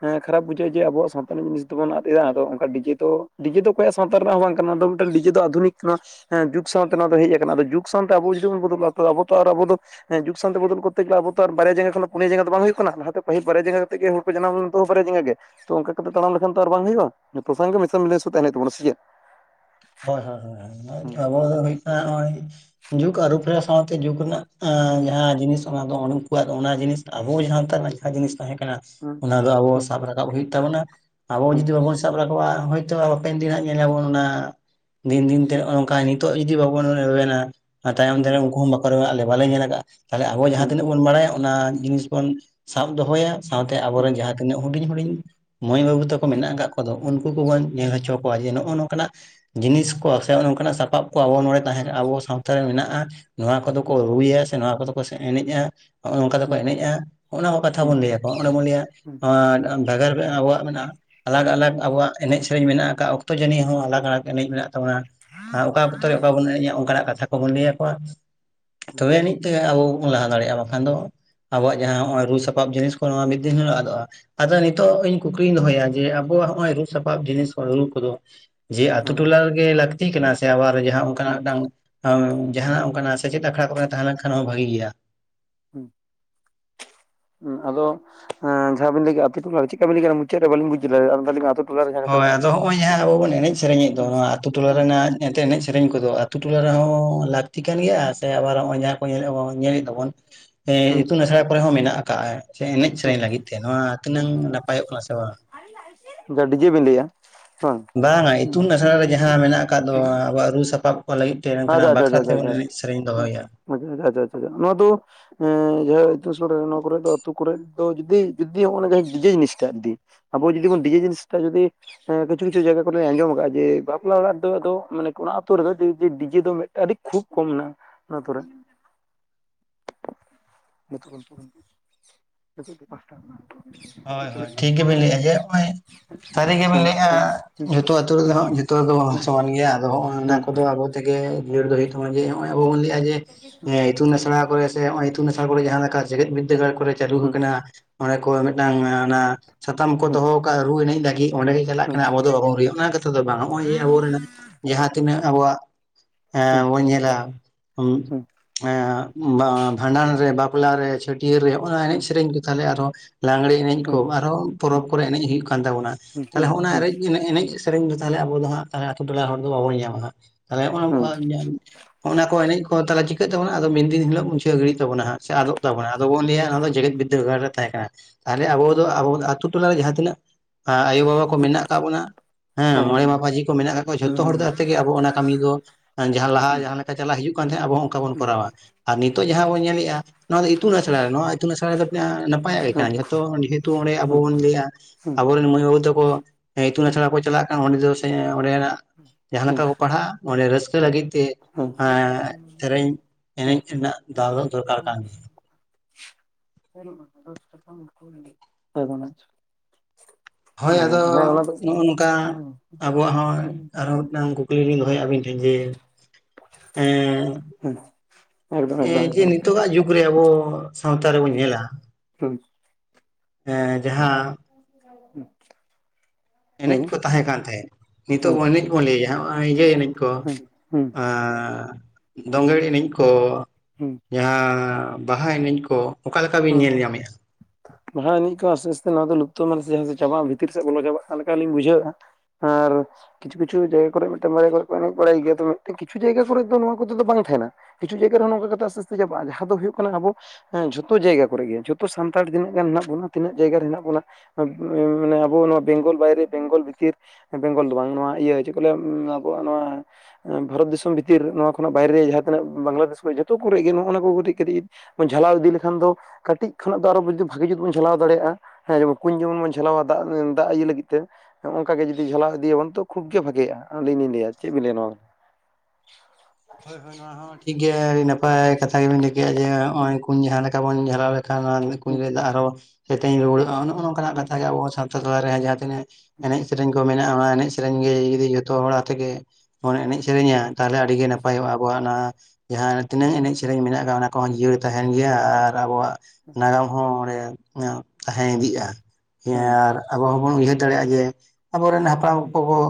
ᱦᱮᱸ ᱠᱷᱟᱨᱟᱯ ᱵᱩᱡᱷᱟᱹᱜᱼᱟ ᱡᱮ ᱟᱵᱚ ᱥᱟᱱᱛᱟᱞᱤ ᱡᱤᱱᱤᱥ ᱫᱚ ᱵᱚᱱ ᱟᱫ ᱮᱫᱟ ᱟᱫᱚ ᱚᱱᱠᱟ ᱰᱤᱡᱮ ᱫᱚ ᱰᱤᱡᱮ ᱫᱚ ᱚᱠᱚᱭᱟᱜᱼᱼ ᱥᱟᱶᱛᱟ ᱨᱮᱱᱟᱜ ᱦᱚ ᱵᱟᱝ ᱠᱟᱱᱟ ᱟᱫᱚ ᱢᱤᱫᱴᱮᱱ ᱰᱤᱡᱮ ᱫᱚ ᱟᱫᱷᱩᱱᱤᱠ ᱠᱟᱱᱟᱼᱼ ᱦᱮᱸ ᱡᱩᱜᱽ ᱥᱟᱶᱛᱮ ᱱᱚᱣᱟ ᱫᱚ ᱦᱮᱡ ᱟᱠᱟᱱᱟ ᱟ ᱡᱩᱜᱽ ᱥᱟᱶᱛᱮ ᱟᱵᱚ ᱡᱩᱫᱤ ᱵᱚᱱ ᱵᱚᱫᱚᱞᱚᱜᱼᱟ ᱛ ᱟᱵᱚ ᱟᱵᱚ ᱛᱚ ᱦᱮᱸ ᱡᱩᱜᱽ ᱥᱟᱱᱛᱮ ᱵᱚᱫᱚᱞ ᱠᱚᱛᱮ ᱜᱮᱞᱮ ᱟᱨ ᱵᱟᱨᱭᱟ ᱡᱟᱜᱟ ᱠᱷᱚᱱ ᱯᱩᱱᱭᱟ ᱡᱟ ᱜᱟ ᱫᱚ ᱵᱟᱝ ᱦᱩᱭᱩᱜ ᱠᱟᱱᱟ ᱞᱟᱦᱟ ᱛᱮᱼᱼ ᱯᱟᱹᱦᱤᱞ ᱵᱟᱨᱭᱟ ᱡᱟᱸᱜᱟ ᱠᱟᱛᱮ ᱜᱮ ᱦᱚᱲ ᱠᱚ ᱡᱟᱱᱟᱢ ᱞᱮᱱᱟ ᱱᱤᱛᱳᱜ ᱦᱚ ᱵᱟᱨᱭᱟ ᱡᱟᱸᱜᱟ ᱜᱮ᱾ ᱛᱚ ᱚᱱᱠᱟ ᱠᱟᱛᱮ ᱛᱟᱲᱟᱢ ᱞᱮᱠᱷᱟᱱ ᱛᱚ ᱟᱨ ᱵᱟᱝ ᱦᱩᱭᱩᱜᱼᱟ ᱡᱚᱛᱚ ᱥᱟᱝ ᱜᱮ ᱢᱮᱥᱟᱞ ᱢᱤᱞᱟᱹ ᱥᱮ ᱛᱟᱦᱮᱱ ᱦᱳᱭᱳᱜ ᱛᱟᱵᱚᱱᱟ ᱥᱮ ᱪᱮᱫ? ᱦᱳᱭ ᱦᱳᱭ ᱦᱳᱭ ᱦᱩᱸ ᱟᱵᱚᱣᱟᱜ ᱫᱚ ᱦᱩᱭᱩᱜ ᱠᱟᱱᱟ ᱱᱚᱜᱼᱚᱭ ᱡᱩᱜᱽ ᱟᱹᱨᱩᱯᱷᱮᱨᱟᱣ ᱥᱟᱶᱛᱮ ᱡᱩᱜᱽ ᱨᱮᱱᱟᱜᱼᱼ ᱦᱩᱸ ᱡᱟᱦᱟᱸ ᱡᱤᱱᱤᱥ ᱚᱱᱟ ᱫᱚ ᱩᱱᱠᱩᱣᱟᱜ ᱚᱱᱟ ᱡᱤᱱᱤᱥ ᱟᱵᱚ ᱥᱟᱶᱛᱟ ᱨᱮᱱᱟᱜ ᱡᱟᱦᱟᱸ ᱡᱤᱱᱤᱥ ᱛᱟᱦᱮᱸ ᱠᱟᱱᱟ᱾ ᱦᱩᱸ ᱚᱱᱟ ᱟᱵᱚ ᱦᱩᱸ ᱥᱟᱵ ᱨᱟᱠᱟᱵ ᱦᱩᱭᱩᱜ ᱛᱟᱵᱚᱱᱟ ᱟᱵᱚ ᱦᱩᱸ ᱡᱩᱫᱤ ᱵᱟᱵᱚᱱ ᱥᱟᱵ ᱨᱟᱠᱟᱵᱟᱼᱼ ᱦᱟᱯᱮᱱ ᱫᱤᱱ ᱦᱟᱸᱜ ᱧᱮᱞᱟᱵᱚᱱ ᱚᱱᱟ ᱫᱤᱱ ᱫᱤᱱ ᱛᱮ ᱱᱚᱜᱼᱚ ᱱᱚᱝᱠᱟ ᱱᱤᱛᱚᱜ ᱡᱩᱫᱤ ᱵᱟᱵᱚᱱ ᱮᱵᱷᱮᱱᱟ᱾ ᱛᱟᱭᱚᱢ ᱦᱩᱸ ᱫᱟᱨᱟᱢ ᱩᱱᱠᱩ ᱦᱚᱸ ᱵᱟᱠᱚ ᱨᱟ ᱵᱟᱞᱮ ᱧᱮᱞ ᱠᱟᱜᱼᱟ ᱛᱟᱦᱮᱞᱮ ᱟᱵᱚ ᱡᱟᱦᱟᱸ ᱦᱩᱸ ᱦᱩᱸ ᱦᱩᱸ ᱛᱤᱱᱟᱹᱜ ᱵᱚᱱ ᱵᱟᱲᱟᱭᱟ ᱚᱱᱟ ᱡᱤᱱᱤᱥ ᱵᱚᱱᱼᱼ ᱥᱟᱵ ᱫᱚᱦᱚᱭᱟ ᱥᱟᱶᱛᱮ ᱟᱵᱚ ᱦᱩᱸ ᱦᱩᱸ ᱨᱮᱱ ᱡᱟᱦᱟᱸ ᱛᱤᱱᱟᱹᱜ ᱦᱩᱰᱤᱧ ᱦᱩᱰᱤᱧ ᱢᱟᱹᱭ ᱵᱟᱹᱵᱩ ᱛᱟᱠᱚ ᱢᱮᱱᱟᱜ ᱟᱠᱟᱫ ᱠᱚᱫᱚ, ᱩᱱᱠᱩ ᱠᱚᱵᱚᱱ ᱧᱮᱞ ᱦᱚᱪᱚ ᱠᱚᱣᱟ ᱡᱮ ᱱᱚᱜᱼᱚ ᱱᱚᱝᱠᱟᱱᱟᱜ ᱡᱤᱱᱤᱥ ᱠᱚ ᱥᱮ ᱱᱚᱜᱼ ᱱᱚᱝᱠᱟᱱᱟᱜ ᱥᱟᱯᱟᱵᱼᱼ ᱟᱵᱚ ᱱᱚᱰᱮ ᱛᱟᱦᱮᱸ ᱠᱟᱱᱟ ᱟᱵᱚ ᱥᱟᱶᱛᱟ ᱨᱮ ᱢᱮᱱᱟᱜᱼᱟ ᱱᱚᱣᱟ ᱠᱚᱫᱚ ᱠᱚ ᱨᱩᱭᱟ ᱥᱮ ᱱᱚᱣᱟ ᱠᱚᱫᱚ ᱠᱚ ᱮᱱᱮᱡᱼᱟ᱾ ᱦᱚᱸᱜᱼᱚ ᱱᱚᱝᱠᱟ ᱫᱚᱠᱚ ᱦᱩᱸ ᱦᱩᱸ ᱦᱩᱸ ᱮᱱᱮᱡ ᱟ ᱱᱚᱜᱼᱚ ᱱᱚᱣᱟ ᱠᱚ ᱠᱟᱛᱷᱟ ᱦᱩᱸ ᱵᱚᱱ ᱞᱟᱹᱭ ᱟᱠᱚ ᱚᱸᱰᱮ ᱵᱚᱱ ᱞᱟᱹᱭᱟ ᱵᱷᱮᱜᱟᱨᱼᱼ ᱟᱵᱚᱣᱟᱜ ᱢᱮᱱᱟᱜᱼᱟ ᱟᱞᱟᱜᱽ ᱟᱞᱟᱜᱽ ᱟᱵᱚᱣᱟᱜ ᱮᱱᱮᱡ ᱥᱮᱨᱮᱧ ᱢᱮᱱᱟᱜ ᱟᱠᱟᱜᱼᱟ ᱚᱠᱛᱚ ᱡᱟᱹᱱᱤ ᱦᱚᱸ ᱟᱞᱟᱜᱽ ᱟᱞᱟᱜᱽ ᱮᱱᱮᱡ ᱢᱮᱱᱟᱜ ᱟᱠᱟᱫᱟ᱾ ᱛᱟᱵᱚᱱᱟ ᱚᱠᱟ ᱚᱠᱛᱚ ᱨᱮ ᱚᱠᱟ ᱵᱚᱱ ᱮᱱᱮᱡᱟ ᱚᱱᱠᱟᱱᱟᱜ ᱠᱟᱛᱷᱟ ᱠᱚᱵᱚᱱ ᱞᱟᱹᱭ ᱟᱠᱚᱣᱟ᱾ ᱛᱚᱵᱮ ᱟᱹᱱᱤᱡ ᱛᱮᱜᱮ ᱟᱵᱚ ᱵᱚᱱ ᱞᱟᱦᱟ ᱫᱟᱲᱮᱭᱟᱜᱼᱟ ᱵᱟᱠᱷᱟᱱ ᱫᱚᱼᱼ ᱟᱵᱚᱣᱟᱜ ᱡᱟᱦᱟᱸ ᱱᱚᱜᱼᱚᱭ ᱨᱩ ᱥᱟᱯᱟᱵ ᱡᱤᱱᱤᱥ ᱠᱚ ᱱᱚᱣᱟ ᱢᱤᱫ ᱫᱤᱱ ᱦᱤᱞᱚᱜ ᱟᱫᱚᱜᱼᱟ᱾ ᱟᱫᱚ ᱱᱤᱛᱚᱜ ᱤᱧ ᱠᱩᱠᱞᱤᱧ ᱫᱚᱦᱚᱭᱟ ᱡᱮ ᱟᱵᱚᱣᱟᱜ ᱱᱚᱜᱼᱚᱭ ᱨᱩ ᱥᱟᱯᱟᱵ ᱡᱤᱱᱤᱥ ᱨᱩ ᱠᱚᱫᱚ ᱡᱮᱼᱼ ᱟᱹᱛᱩ ᱦᱩᱸ ᱴᱚᱞᱟ ᱨᱮᱜᱮ ᱞᱟᱹᱠᱛᱤ ᱠᱟᱱᱟ ᱥᱮ ᱟᱵᱟᱨ ᱡᱟᱦᱟᱸ ᱚᱱᱠᱟᱱᱟᱜ ᱦᱩᱸ ᱢᱤᱫ ᱴᱟᱝ? ᱡᱟᱦᱟᱸᱱᱟᱜ ᱚᱱᱠᱟᱱᱟᱜ ᱥᱮᱪᱮᱫ ᱟᱠᱷᱲᱟ ᱠᱚᱨᱮ ᱛᱟᱦᱮᱸ ᱞᱮᱱ ᱠᱷᱟᱱ ᱦᱚᱸ ᱵᱷᱟᱹᱜᱤ ᱜᱮᱭᱟ? ᱦᱩᱸ ᱟᱫᱚ ᱡᱟᱦᱟᱸ ᱵᱤᱱ ᱞᱟᱹᱭ ᱠᱮᱫᱼᱟ ᱟᱹᱛᱩ ᱴᱚᱞᱟ ᱨᱮ ᱪᱤᱫ ᱞᱤᱠᱟ ᱵᱤᱱ ᱞᱟᱹᱭ ᱠᱮᱫ ᱠᱟᱱᱟ ᱢᱩᱪᱟᱹᱫ ᱨᱮ ᱵᱟᱹᱞᱤᱧ ᱵᱩᱡ ᱫᱟᱲᱮᱭᱟᱫᱟ ᱟᱨ ᱢᱤᱫ ᱫᱷᱟᱣ ᱞᱟᱹᱭ ᱵᱤᱱ? ᱦᱚᱭ ᱞᱟᱹᱭ ᱟᱫᱚ ᱦᱚᱸᱜᱼᱚᱭ ᱦᱟᱸᱜ ᱟᱵᱚ ᱵᱚᱱ ᱮᱱᱮᱡ ᱥᱮᱨᱮᱧ ᱮᱫ ᱫᱚ ᱱᱚᱣᱟ ᱟᱹᱛᱩ ᱴᱚᱞᱟ ᱨᱮᱱᱟᱜ ᱮᱱᱛᱮ ᱮᱱᱮᱡ ᱥᱮᱨᱮᱧ ᱠᱚᱫᱚᱼᱼ ᱟᱹᱛᱩ ᱴᱚᱞᱟ ᱨᱮᱦᱚᱸ ᱞᱟᱹᱠᱛᱤ ᱠᱟᱱ ᱜᱮᱭᱟ ᱥᱮ ᱟᱵᱟᱨ ᱱᱚᱜᱼᱚᱭ ᱡᱟᱦᱟᱸ ᱠᱚᱵᱚᱱ ᱧᱮᱞ ᱮᱫ ᱫᱚᱵᱚᱱᱼᱼ ᱤᱛᱩᱱ ᱟᱥᱲᱟ ᱠᱚᱨᱮ ᱦᱚᱸ ᱢᱮᱱᱟᱜ ᱟᱠᱟᱜᱼᱟ ᱥᱮ ᱮᱱᱮᱡ ᱥᱮᱨᱮᱧ ᱞᱟᱹᱜᱤᱫ ᱛᱮ ᱱᱚᱣᱟ ᱛᱤᱱᱟᱹᱝ ᱱᱟᱯᱟᱭᱚᱜ ᱠᱟᱱᱟ ᱥᱮ ᱵᱟᱝᱟ? ᱰᱤᱡᱮ ᱵᱮᱤᱱ ᱞᱟᱹᱭᱟ ᱵᱟᱝ ᱵᱟᱝᱟ ᱦᱩᱸ ᱤᱛᱩᱱ ᱦᱩᱸ ᱟᱥᱲᱟ ᱨᱮ ᱡᱟᱦᱟᱸ ᱢᱮᱱᱟᱜ ᱟᱠᱟᱫ ᱫᱚ ᱦᱩᱸ ᱟᱵᱚᱣᱟᱜ ᱨᱩ ᱥᱟᱯᱟᱵ ᱠᱚ ᱞᱟᱹᱜᱤᱫ᱾ ᱛᱮ ᱚᱱᱠᱟᱱᱟᱜ ᱵᱟᱠᱷᱨᱟ ᱛᱮ ᱩᱱᱤ ᱮᱱᱮᱡ ᱥᱮᱨᱮᱧ ᱫᱚᱦᱚ ᱮᱭᱟ᱾ ᱟᱪᱷᱟ ᱟᱪᱷᱟ ᱟᱪᱪᱷᱟ ᱱᱚᱣᱟ ᱫᱚ ᱡᱟᱦᱟᱸ ᱤᱛᱩᱱ ᱟᱥᱲᱟ ᱱᱚᱣᱟ ᱠᱚᱨᱮᱫ ᱫᱚ ᱟᱹᱛᱩ ᱠᱚᱨᱮᱫ ᱫᱚ ᱡᱩᱫᱤ ᱡᱩᱫᱤ ᱱᱚᱜᱼᱚᱭ ᱡᱟᱦᱟᱸ ᱰᱤᱡᱮ ᱡᱤᱱᱤᱥ ᱴᱟᱜ ᱡᱩᱫᱤ ᱟᱵᱚ ᱡᱩᱫᱤ ᱵᱚᱱ ᱰᱤᱡᱮ ᱡᱤᱱᱤᱥ ᱴᱟᱜ ᱡᱩᱫᱤ ᱦᱮᱸ ᱠᱤᱪᱷᱩ ᱠᱤᱪᱷᱩ ᱡᱟᱭᱜᱟ ᱠᱚᱨᱮᱧ ᱟᱸᱡᱚᱢ ᱠᱟᱜᱼᱟ, ᱡᱮ ᱵᱟᱯᱞᱟ ᱚᱲᱟᱜ ᱨᱮᱫᱚ ᱟᱫᱚ ᱢᱟᱱᱮ ᱚᱱᱟ ᱟᱹᱛᱩ ᱨᱮᱫᱚ ᱡᱮ ᱡᱮ ᱰᱤᱡᱮ ᱫᱚ ᱢᱤᱫ ᱴᱟ ᱟᱹᱰᱤ ᱠᱷᱩᱵ ᱠᱚᱢ ᱢᱮᱱᱟᱜᱼᱟ ᱚᱱᱟ ᱟᱹᱛᱩ ᱨᱮ᱾ [unintelligible] ᱱᱤᱛᱚᱜ ᱫᱚ ᱯᱟᱥᱴᱟ [unintelligible] ᱦᱳᱭ ᱦᱳᱭ ᱴᱷᱤᱠ ᱜᱮᱵᱤᱱ ᱞᱟᱹᱭᱮᱜᱼᱟ ᱡᱮ ᱦᱚᱸᱜᱼᱚᱭ ᱥᱟᱹᱨᱤᱜᱮᱢ ᱞᱟᱹᱭᱮᱜᱼᱟ, ᱡᱷᱚᱛᱚ ᱟᱛᱳ ᱨᱮᱫᱚ ᱦᱟᱸᱜ ᱡᱷᱚᱛᱚ ᱦᱚᱲ ᱫᱚ ᱵᱟᱵᱚᱱ ᱥᱚᱢᱟᱱ ᱜᱮᱭᱟ ᱟᱫᱚ ᱦᱚᱸᱜᱼᱚᱭ ᱚᱱᱟ ᱠᱚᱫᱚ ᱟᱵᱚ ᱛᱮᱜᱮ ᱡᱤᱭᱟᱹᱲ ᱫᱚ ᱦᱩᱭᱩᱜ ᱛᱟᱵᱚᱱᱟ, ᱡᱮ ᱱᱚᱜᱼᱚᱭ ᱟᱵᱚ ᱵᱚᱱ ᱞᱟᱹᱭᱮᱜᱼᱟ ᱡᱮ ᱤᱛᱩᱱ ᱟᱥᱲᱟ ᱠᱚᱨᱮ ᱥᱮ ᱤᱛᱩᱱ ᱟᱥᱲᱟ ᱠᱚᱨᱮ ᱡᱟᱦᱟᱸ ᱞᱮᱠᱟ ᱡᱮᱜᱮᱫ ᱵᱤᱫᱽᱟᱹᱜᱟᱲ ᱠᱚᱨᱮ ᱪᱟᱹᱞᱩ ᱠᱟᱱᱟ ᱚᱱᱟ ᱠᱚ ᱢᱤᱫᱴᱟᱝ ᱚᱱᱟ ᱥᱟᱛᱟᱢ ᱠᱚ ᱫᱚᱦᱚ ᱟᱠᱟᱫᱼᱟ ᱨᱩ ᱮᱱᱮᱡ ᱞᱟᱹᱜᱤᱫ ᱚᱸᱰᱮ ᱪᱟᱞᱟᱜ ᱠᱟᱱᱟ ᱟᱵᱚ ᱫᱚ ᱵᱟᱵᱚᱱ ᱨᱩᱭᱟ ᱚᱱᱟ ᱠᱟᱛᱷᱟ ᱫᱚ ᱵᱟᱝ ᱱᱚᱜᱼᱚᱭ ᱡᱮ ᱟᱵᱚ ᱨᱮᱱ ᱡᱟᱦᱟᱸ ᱛᱤᱱᱟᱹᱜ ᱟᱵᱚᱣᱟᱜ ᱦᱮᱸ ᱵᱚᱱ ᱧᱮᱞᱟ ᱵᱷᱟᱸᱰᱟᱱ ᱨᱮ, ᱵᱟᱯᱞᱟ ᱨᱮ, ᱪᱷᱟᱹᱴᱭᱟᱹᱨ ᱨᱮ, ᱚᱱᱟ ᱮᱱᱮᱡ ᱥᱮᱨᱮᱧ ᱠᱚ ᱛᱟᱦᱞᱮ ᱟᱨ ᱦᱚᱸ ᱞᱟᱸᱜᱽᱲᱮ ᱮᱱᱮᱡ ᱮᱱᱮᱡ ᱠᱚ ᱟᱨᱦᱚᱸ ᱯᱚᱨᱚᱵᱽ ᱠᱚᱨᱮ ᱮᱱᱮᱡ ᱦᱩᱭᱩᱜ ᱠᱟᱱ ᱛᱟᱵᱚᱱᱟ ᱛᱟᱦᱚᱞᱮ ᱦᱚᱸᱜ ᱚᱱᱟ ᱮᱱᱮᱡ ᱮᱱᱮᱡ ᱥᱮ ᱥᱮᱨᱮᱧ ᱫᱚ ᱛᱟᱦᱚᱞᱮ ᱟᱵᱚ ᱫᱚ ᱦᱟᱸᱜ ᱟᱹᱛᱩ ᱴᱚᱞᱟ ᱦᱚᱲ ᱫᱚ ᱵᱟᱵᱚᱱ ᱧᱮᱞ ᱧᱟᱢᱟ ᱦᱟᱸᱜ ᱛᱟᱦᱞᱮ ᱱᱚᱜ ᱱᱚᱝ [unintelligible] ᱦᱚᱸᱜᱼᱚᱱᱟ ᱠᱚ ᱮᱱᱮᱡ ᱠᱚ ᱛᱟᱦᱞᱮ ᱪᱤᱠᱟᱹᱜ ᱛᱟᱵᱚᱱᱟ ᱟᱫᱚ ᱢᱤᱫ ᱫᱤᱱ ᱦᱤᱞᱚᱜ ᱢᱩᱪᱟᱹᱣ ᱜᱤᱲᱤᱜ ᱛᱟᱵᱚᱱᱟ ᱦᱟᱸᱜ᱾ ᱥᱮ ᱟᱫᱚᱜ ᱛᱟᱵᱚᱱᱟ ᱟᱫᱚ ᱵᱚᱱ ᱞᱟᱹᱭᱟ ᱱᱚᱣᱟ ᱫᱚ ᱡᱮᱜᱮᱫ ᱵᱤᱫᱽᱟᱹᱜᱟᱲ ᱨᱮ ᱛᱟᱦᱮᱸ ᱠᱟᱱᱟ ᱛᱟᱦᱚᱞᱮ ᱟᱵᱚ ᱫᱚ ᱟᱵᱚ ᱟᱛᱩ ᱴᱚᱞᱟ ᱨᱮ ᱡᱟᱦᱟᱸ ᱛᱤᱱᱟᱹᱜ ᱟᱭᱳ ᱵᱟᱵᱟ ᱠᱚ ᱢᱮᱱᱟᱜ ᱠᱟᱜ ᱵᱚᱱᱟ ᱦᱮᱸ ᱢᱚᱬᱮ ᱢᱟᱯᱟᱡᱷᱤ ᱠᱚ ᱢᱮᱱᱟᱜ ᱠᱟᱜ ᱠᱚᱣᱟ ᱡᱷᱚᱛᱚ ᱦᱚᱲ ᱫᱚ ᱟᱛᱮ ᱜᱮ ᱟᱵᱚ ᱚᱱᱟ ᱠᱟᱹᱢᱤ ᱫᱚ ᱡᱟᱦᱟᱸ ᱞᱟᱦᱟ ᱡᱟᱦᱟᱸ ᱞᱮᱠᱟ ᱪᱟᱞᱟᱜ ᱦᱤᱡᱩᱜ ᱠᱟᱱ ᱛᱟᱦᱮᱸᱜ ᱟᱵᱚ ᱦᱚᱸ ᱚᱱᱠᱟ ᱵᱚᱱ ᱠᱚᱨᱟᱣᱟ᱾ ᱟᱨ ᱱᱤᱛᱚᱜ ᱡᱟᱦᱟᱸ ᱵᱚᱱ ᱧᱮᱞᱮᱜᱼᱟ ᱱᱚᱣᱟ ᱫᱚ ᱤᱛᱩᱱ ᱟᱥᱲᱟ ᱨᱮ ᱱᱚᱣᱟ ᱤᱛᱩᱱ ᱟᱥᱲᱟ ᱨᱮ ᱫᱚ ᱱᱟᱯᱟᱭᱟᱜ ᱜᱮ ᱠᱟᱱᱟ, ᱛᱚ ᱡᱮᱦᱮᱛᱩ ᱚᱸᱰᱮ ᱟᱵᱚ ᱵᱚᱱ ᱞᱟᱹᱭᱟ ᱮᱠᱫᱚᱢ ᱟᱵᱚᱨᱮᱱ ᱢᱟᱹᱭ ᱵᱟᱹᱵᱩ ᱛᱟᱠᱚ ᱤᱛᱩᱱ ᱦᱮᱸ ᱚᱱᱟ ᱟᱥᱲᱟ ᱠᱚ ᱪᱟᱞᱟᱜ ᱠᱟᱱᱟ, ᱚᱸᱰᱮ ᱫᱚ ᱥᱮ ᱚᱸᱰᱮᱱᱟᱜ ᱡᱟᱦᱟᱸ ᱫᱚ ᱞᱮᱠᱟ ᱠᱚ ᱯᱟᱲᱦᱟᱜᱼᱟ ᱚᱸᱰᱮ ᱨᱟᱹᱥᱠᱟᱹ ᱨᱟᱹᱥᱠᱟᱹ ᱦᱮᱸ ᱞᱟᱹᱜᱤᱫ ᱛᱮ ᱮᱠᱫᱚᱢ ᱮᱠᱫᱚᱢ ᱮᱠᱫᱚᱢ ᱞᱟᱹᱭ ᱢᱮ ᱮᱸᱜ ᱥᱮᱨᱮᱧ ᱮᱱᱮᱡ ᱨᱮᱱᱟᱜ ᱫᱟᱣ ᱫᱚ ᱫᱚᱨᱠᱟᱨ ᱠᱟᱱ ᱜᱮᱭᱟ᱾ [unintelligible] ᱦᱚᱭ ᱟᱫᱚ ᱱᱚᱜᱼᱚ ᱱᱚᱝᱠᱟ ᱟᱵᱚᱣᱟᱜ ᱦᱚᱸ ᱟᱨᱦᱚᱸ ᱢᱤᱫ ᱴᱟᱝ ᱠᱩ ᱠᱞᱤ ᱞᱤᱧ ᱫᱚᱦᱚᱭᱟ ᱟᱹᱵᱤᱱ ᱴᱷᱮᱱ ᱡᱮ ᱮᱸᱻ ᱮᱸᱻ ᱡᱮ ᱱᱤᱛᱚᱜᱟᱜ ᱡᱩᱜᱽ ᱨᱮ ᱟᱵᱚ ᱥᱟᱶᱛᱟ ᱨᱮᱵᱚᱱ ᱧᱮᱞᱟ, ᱦᱩᱸ᱾ ᱮᱸᱻ ᱡᱟᱦᱟᱸ ᱟᱪᱪᱷᱟ [unintelligible] ᱮᱱᱮᱡ ᱠᱚ ᱛᱟᱦᱮᱸ ᱠᱟᱱ ᱛᱟᱦᱮᱸᱫ, ᱱᱤᱛᱚᱜ ᱦᱮᱸ ᱫᱚ ᱮᱱᱮᱡ ᱵᱚᱱ ᱞᱟᱹᱭ ᱜᱮᱭᱟ ᱱᱚᱜᱼᱚᱭ ᱡᱮ ᱱᱤᱫ ᱠᱚ ᱦᱮᱸ ᱦᱮᱸ ᱦᱮᱸ ᱟᱸ ᱫᱚᱝᱜᱟᱹᱲ ᱮᱱᱤᱡ ᱠᱚ, ᱦᱩᱸ᱾ ᱡᱟᱦᱟᱸ ᱵᱟᱦᱟ ᱮᱱᱮᱡ ᱠᱚ ᱚᱠᱟᱮᱠᱟ ᱵᱤᱱ ᱧᱮᱞ ᱧᱟᱢᱮᱫᱼᱟ? ᱦᱳᱭ ᱱᱤᱛ ᱫᱚ ᱟᱥᱛᱮ ᱟᱥᱛᱮ ᱱᱚᱣᱟ ᱫᱚ ᱞᱩᱯᱛᱚ ᱠᱟᱱ ᱡᱟᱦᱟᱸ ᱥᱮ ᱪᱟᱵᱟᱜ ᱵᱷᱤᱛᱤᱨ ᱥᱮᱜ ᱵᱚᱞᱚ ᱪᱟᱵᱟᱜ ᱠᱟᱱ ᱞᱮᱠᱟᱞᱤᱧ ᱩᱡᱷᱟᱹᱣᱮᱜᱼᱟ, ᱟᱨ ᱠᱤᱪᱷᱩ ᱠᱤᱪᱷᱩ ᱡᱟᱭᱜ ᱠᱚᱨᱮ ᱢᱤᱫᱴᱟᱝ ᱵᱟᱨᱭᱟ ᱠᱚᱨᱮ ᱠᱚ ᱮᱱᱮᱡ ᱵᱟᱲᱟᱭ ᱜᱮᱭᱟ ᱠᱤᱪᱷᱩ ᱡᱟᱭᱜᱟ ᱠᱚᱨᱮ ᱫᱚ ᱱᱚᱣᱟ ᱠᱚᱫᱚ ᱟᱫᱚ ᱵᱟᱝ ᱛᱟᱸᱦᱮᱱᱟ᱾ ᱠᱤᱪᱷᱩ ᱡᱟᱭᱜᱟ ᱨᱮᱦᱚᱸ ᱱᱚᱝᱠᱟ ᱠᱟᱛᱮ ᱟᱥᱛᱮ ᱥᱟᱶᱛᱮ ᱪᱟᱵᱟᱜ ᱡᱟᱦᱟᱸ ᱫᱚ ᱦᱩᱭᱩᱜ ᱠᱟᱱᱟ ᱟᱵᱚ ᱮᱸ ᱡᱷᱚ ᱛᱚ ᱡᱟᱭᱜᱟ ᱠᱚᱨᱮᱜ ᱜᱮ ᱡᱷᱚᱛᱚ ᱥᱟᱱᱛᱟᱲ ᱛᱤᱱᱟᱹᱜ ᱜᱟᱱ ᱢᱮᱱᱟᱜᱱᱟᱜ ᱵᱚᱱᱟ ᱛᱤᱱᱟᱹᱜ ᱡᱟᱭᱜᱟᱨᱮ ᱦᱮᱸᱱᱟᱜ ᱵᱚᱱᱟ ᱢᱟᱱᱮ ᱟᱵᱚ ᱱᱚᱣᱟ ᱵᱮᱝᱜᱚᱞ ᱵᱟᱭᱨᱮ ᱵᱮᱝᱜᱚᱞ ᱵᱷᱤᱛᱤᱨ ᱵᱮᱝᱜᱚᱞ ᱫᱚ ᱵᱟᱝ ᱱᱚᱣᱟ ᱤᱭᱟᱹ ᱪᱮᱫ ᱠᱚ ᱞᱟᱹᱭᱟ ᱟᱵᱚᱣᱟᱜ ᱱᱚᱣᱟ ᱵᱷᱟᱨᱚᱛ ᱫᱤᱥᱚᱢ ᱵᱷᱤᱛᱤᱨ ᱱᱚᱣᱟ ᱠᱷᱚᱸᱱᱟᱜ ᱵᱟᱭᱨᱮ ᱡᱟᱦᱟᱸ ᱛᱤᱱᱟᱹᱜ ᱵᱟᱝᱞᱟᱫᱮᱥ ᱠᱚᱨᱮ ᱡᱷᱚᱛᱚ ᱠᱚᱨᱮ ᱜᱮ ᱱᱚᱜᱼᱚ ᱱᱚᱣᱟ ᱠᱚ ᱠᱟᱹᱴᱤᱡ ᱠᱟᱹᱴᱤᱡ ᱡᱷᱟᱞᱟᱣ ᱤᱫᱤ ᱞᱮᱠᱷᱟᱱ ᱫᱚ ᱠᱟᱹᱴᱤᱡ ᱠᱷᱚᱱᱟᱜ ᱫᱚ ᱟᱨᱚ ᱵᱷᱟᱹᱜᱤ ᱡᱩᱫ ᱵᱚᱱ ᱡᱷᱟᱟᱞᱟᱣ ᱫᱟᱲᱮᱭᱟᱜᱼᱟ᱾ ᱦᱮᱸ ᱡᱮᱢᱚᱱ ᱠᱩᱧ ᱡᱮᱢᱚᱱ ᱵᱚᱱ ᱪᱷᱟᱞᱟᱣᱟ ᱫᱟᱜ ᱫᱟᱜ ᱤᱭᱟᱹ ᱞᱟᱹᱜᱤᱫ ᱛᱮ, ᱦᱚᱸᱜᱼᱚ ᱱᱚᱝᱠᱟ ᱜᱮ ᱡᱩᱫᱤ ᱡᱷᱟᱞᱟᱣ ᱤᱫᱤᱭᱟᱵᱚᱱ ᱛᱚ ᱠᱷᱩᱵ ᱜᱮ ᱵᱷᱮᱜᱼᱟ ᱟᱹᱞᱤᱧ ᱞᱤᱧ ᱞᱟᱹᱭᱟ ᱪᱮᱫ ᱵᱤᱱ ᱞᱟᱹᱭᱟ ᱱᱚᱣᱟ ᱦᱳᱭ ᱦᱳᱭ ᱱᱚᱣᱟ ᱦᱚᱸ ᱴᱷᱤᱠ ᱜᱮᱭᱟ ᱟᱹᱰᱤ ᱱᱟᱯᱟᱭ ᱠᱟᱛᱷᱟ ᱜᱮᱵᱤᱱ ᱞᱟᱹᱭ ᱠᱮᱫᱼᱟ, ᱡᱮ ᱱᱚᱜᱼᱚᱭ ᱠᱩᱧ ᱡᱟᱦᱟᱸ ᱞᱮ ᱠᱟ ᱵᱚᱱ ᱡᱷᱟᱞᱟᱣ ᱞᱮᱠᱷᱟᱱ ᱠᱩᱧ ᱦᱩᱸ ᱨᱮ ᱫᱟᱜ ᱟᱨᱚ ᱥᱮᱛᱮᱧ ᱨᱩᱣᱟᱹᱲᱼᱟ ᱱᱚᱜᱼᱚ ᱱᱚᱝᱠᱟᱱᱟᱜ ᱦᱩᱸ ᱠᱟᱛᱷᱟ ᱜᱮ ᱟᱵᱚ ᱥᱟᱱ [inaudible] ᱡᱟᱦᱟᱸ ᱛᱤᱱᱟᱹᱜ ᱮᱱᱮᱡ ᱥᱮᱨᱮᱧ ᱠᱚ ᱢᱮᱱᱟᱜ-ᱟ ᱚᱱᱟ ᱮᱱᱮᱡ ᱥᱮᱨᱮᱧ ᱜᱮ ᱡᱩᱫᱤ ᱡᱚᱛᱚ ᱦᱚᱲ ᱟᱛᱮ ᱜᱮ ᱮᱱᱮᱡ ᱥᱮᱨᱮᱧ ᱟ ᱛᱟᱦᱚᱞᱮ ᱟᱹᱰᱤ ᱜᱮ ᱱᱟᱯᱟᱭᱚᱜ-ᱟ᱾ ᱟᱵᱚᱣᱟᱜ ᱚᱱᱟ ᱡᱟᱦᱟᱸ ᱛᱤᱱᱟᱹᱜ ᱮᱱᱮᱡ ᱥᱮᱨᱮᱧ ᱢᱮᱱᱟᱜ ᱠᱟᱫ ᱠᱚ ᱡᱤᱭᱟᱹᱲ ᱛᱟᱦᱮᱱ ᱜᱮᱭᱟ ᱟᱨ ᱟᱵᱚᱣᱟᱜ ᱦᱩᱸ ᱱᱟᱜᱟᱢ ᱦᱚᱸ ᱚᱸᱰᱮ ᱛᱟᱦᱮᱸ ᱤᱫᱤᱜ-ᱟ᱾ ᱦᱮᱸ ᱦᱩᱸ ᱟᱨ ᱟᱵᱚ ᱦᱚᱸᱵᱚᱱ ᱩᱭᱦᱟᱹᱨ ᱫᱟᱲᱮᱭᱟᱜ-ᱟ ᱡᱮ ᱟᱵᱚᱨᱮᱱ ᱦᱟᱯᱲᱟᱢ ᱠᱚᱠᱚ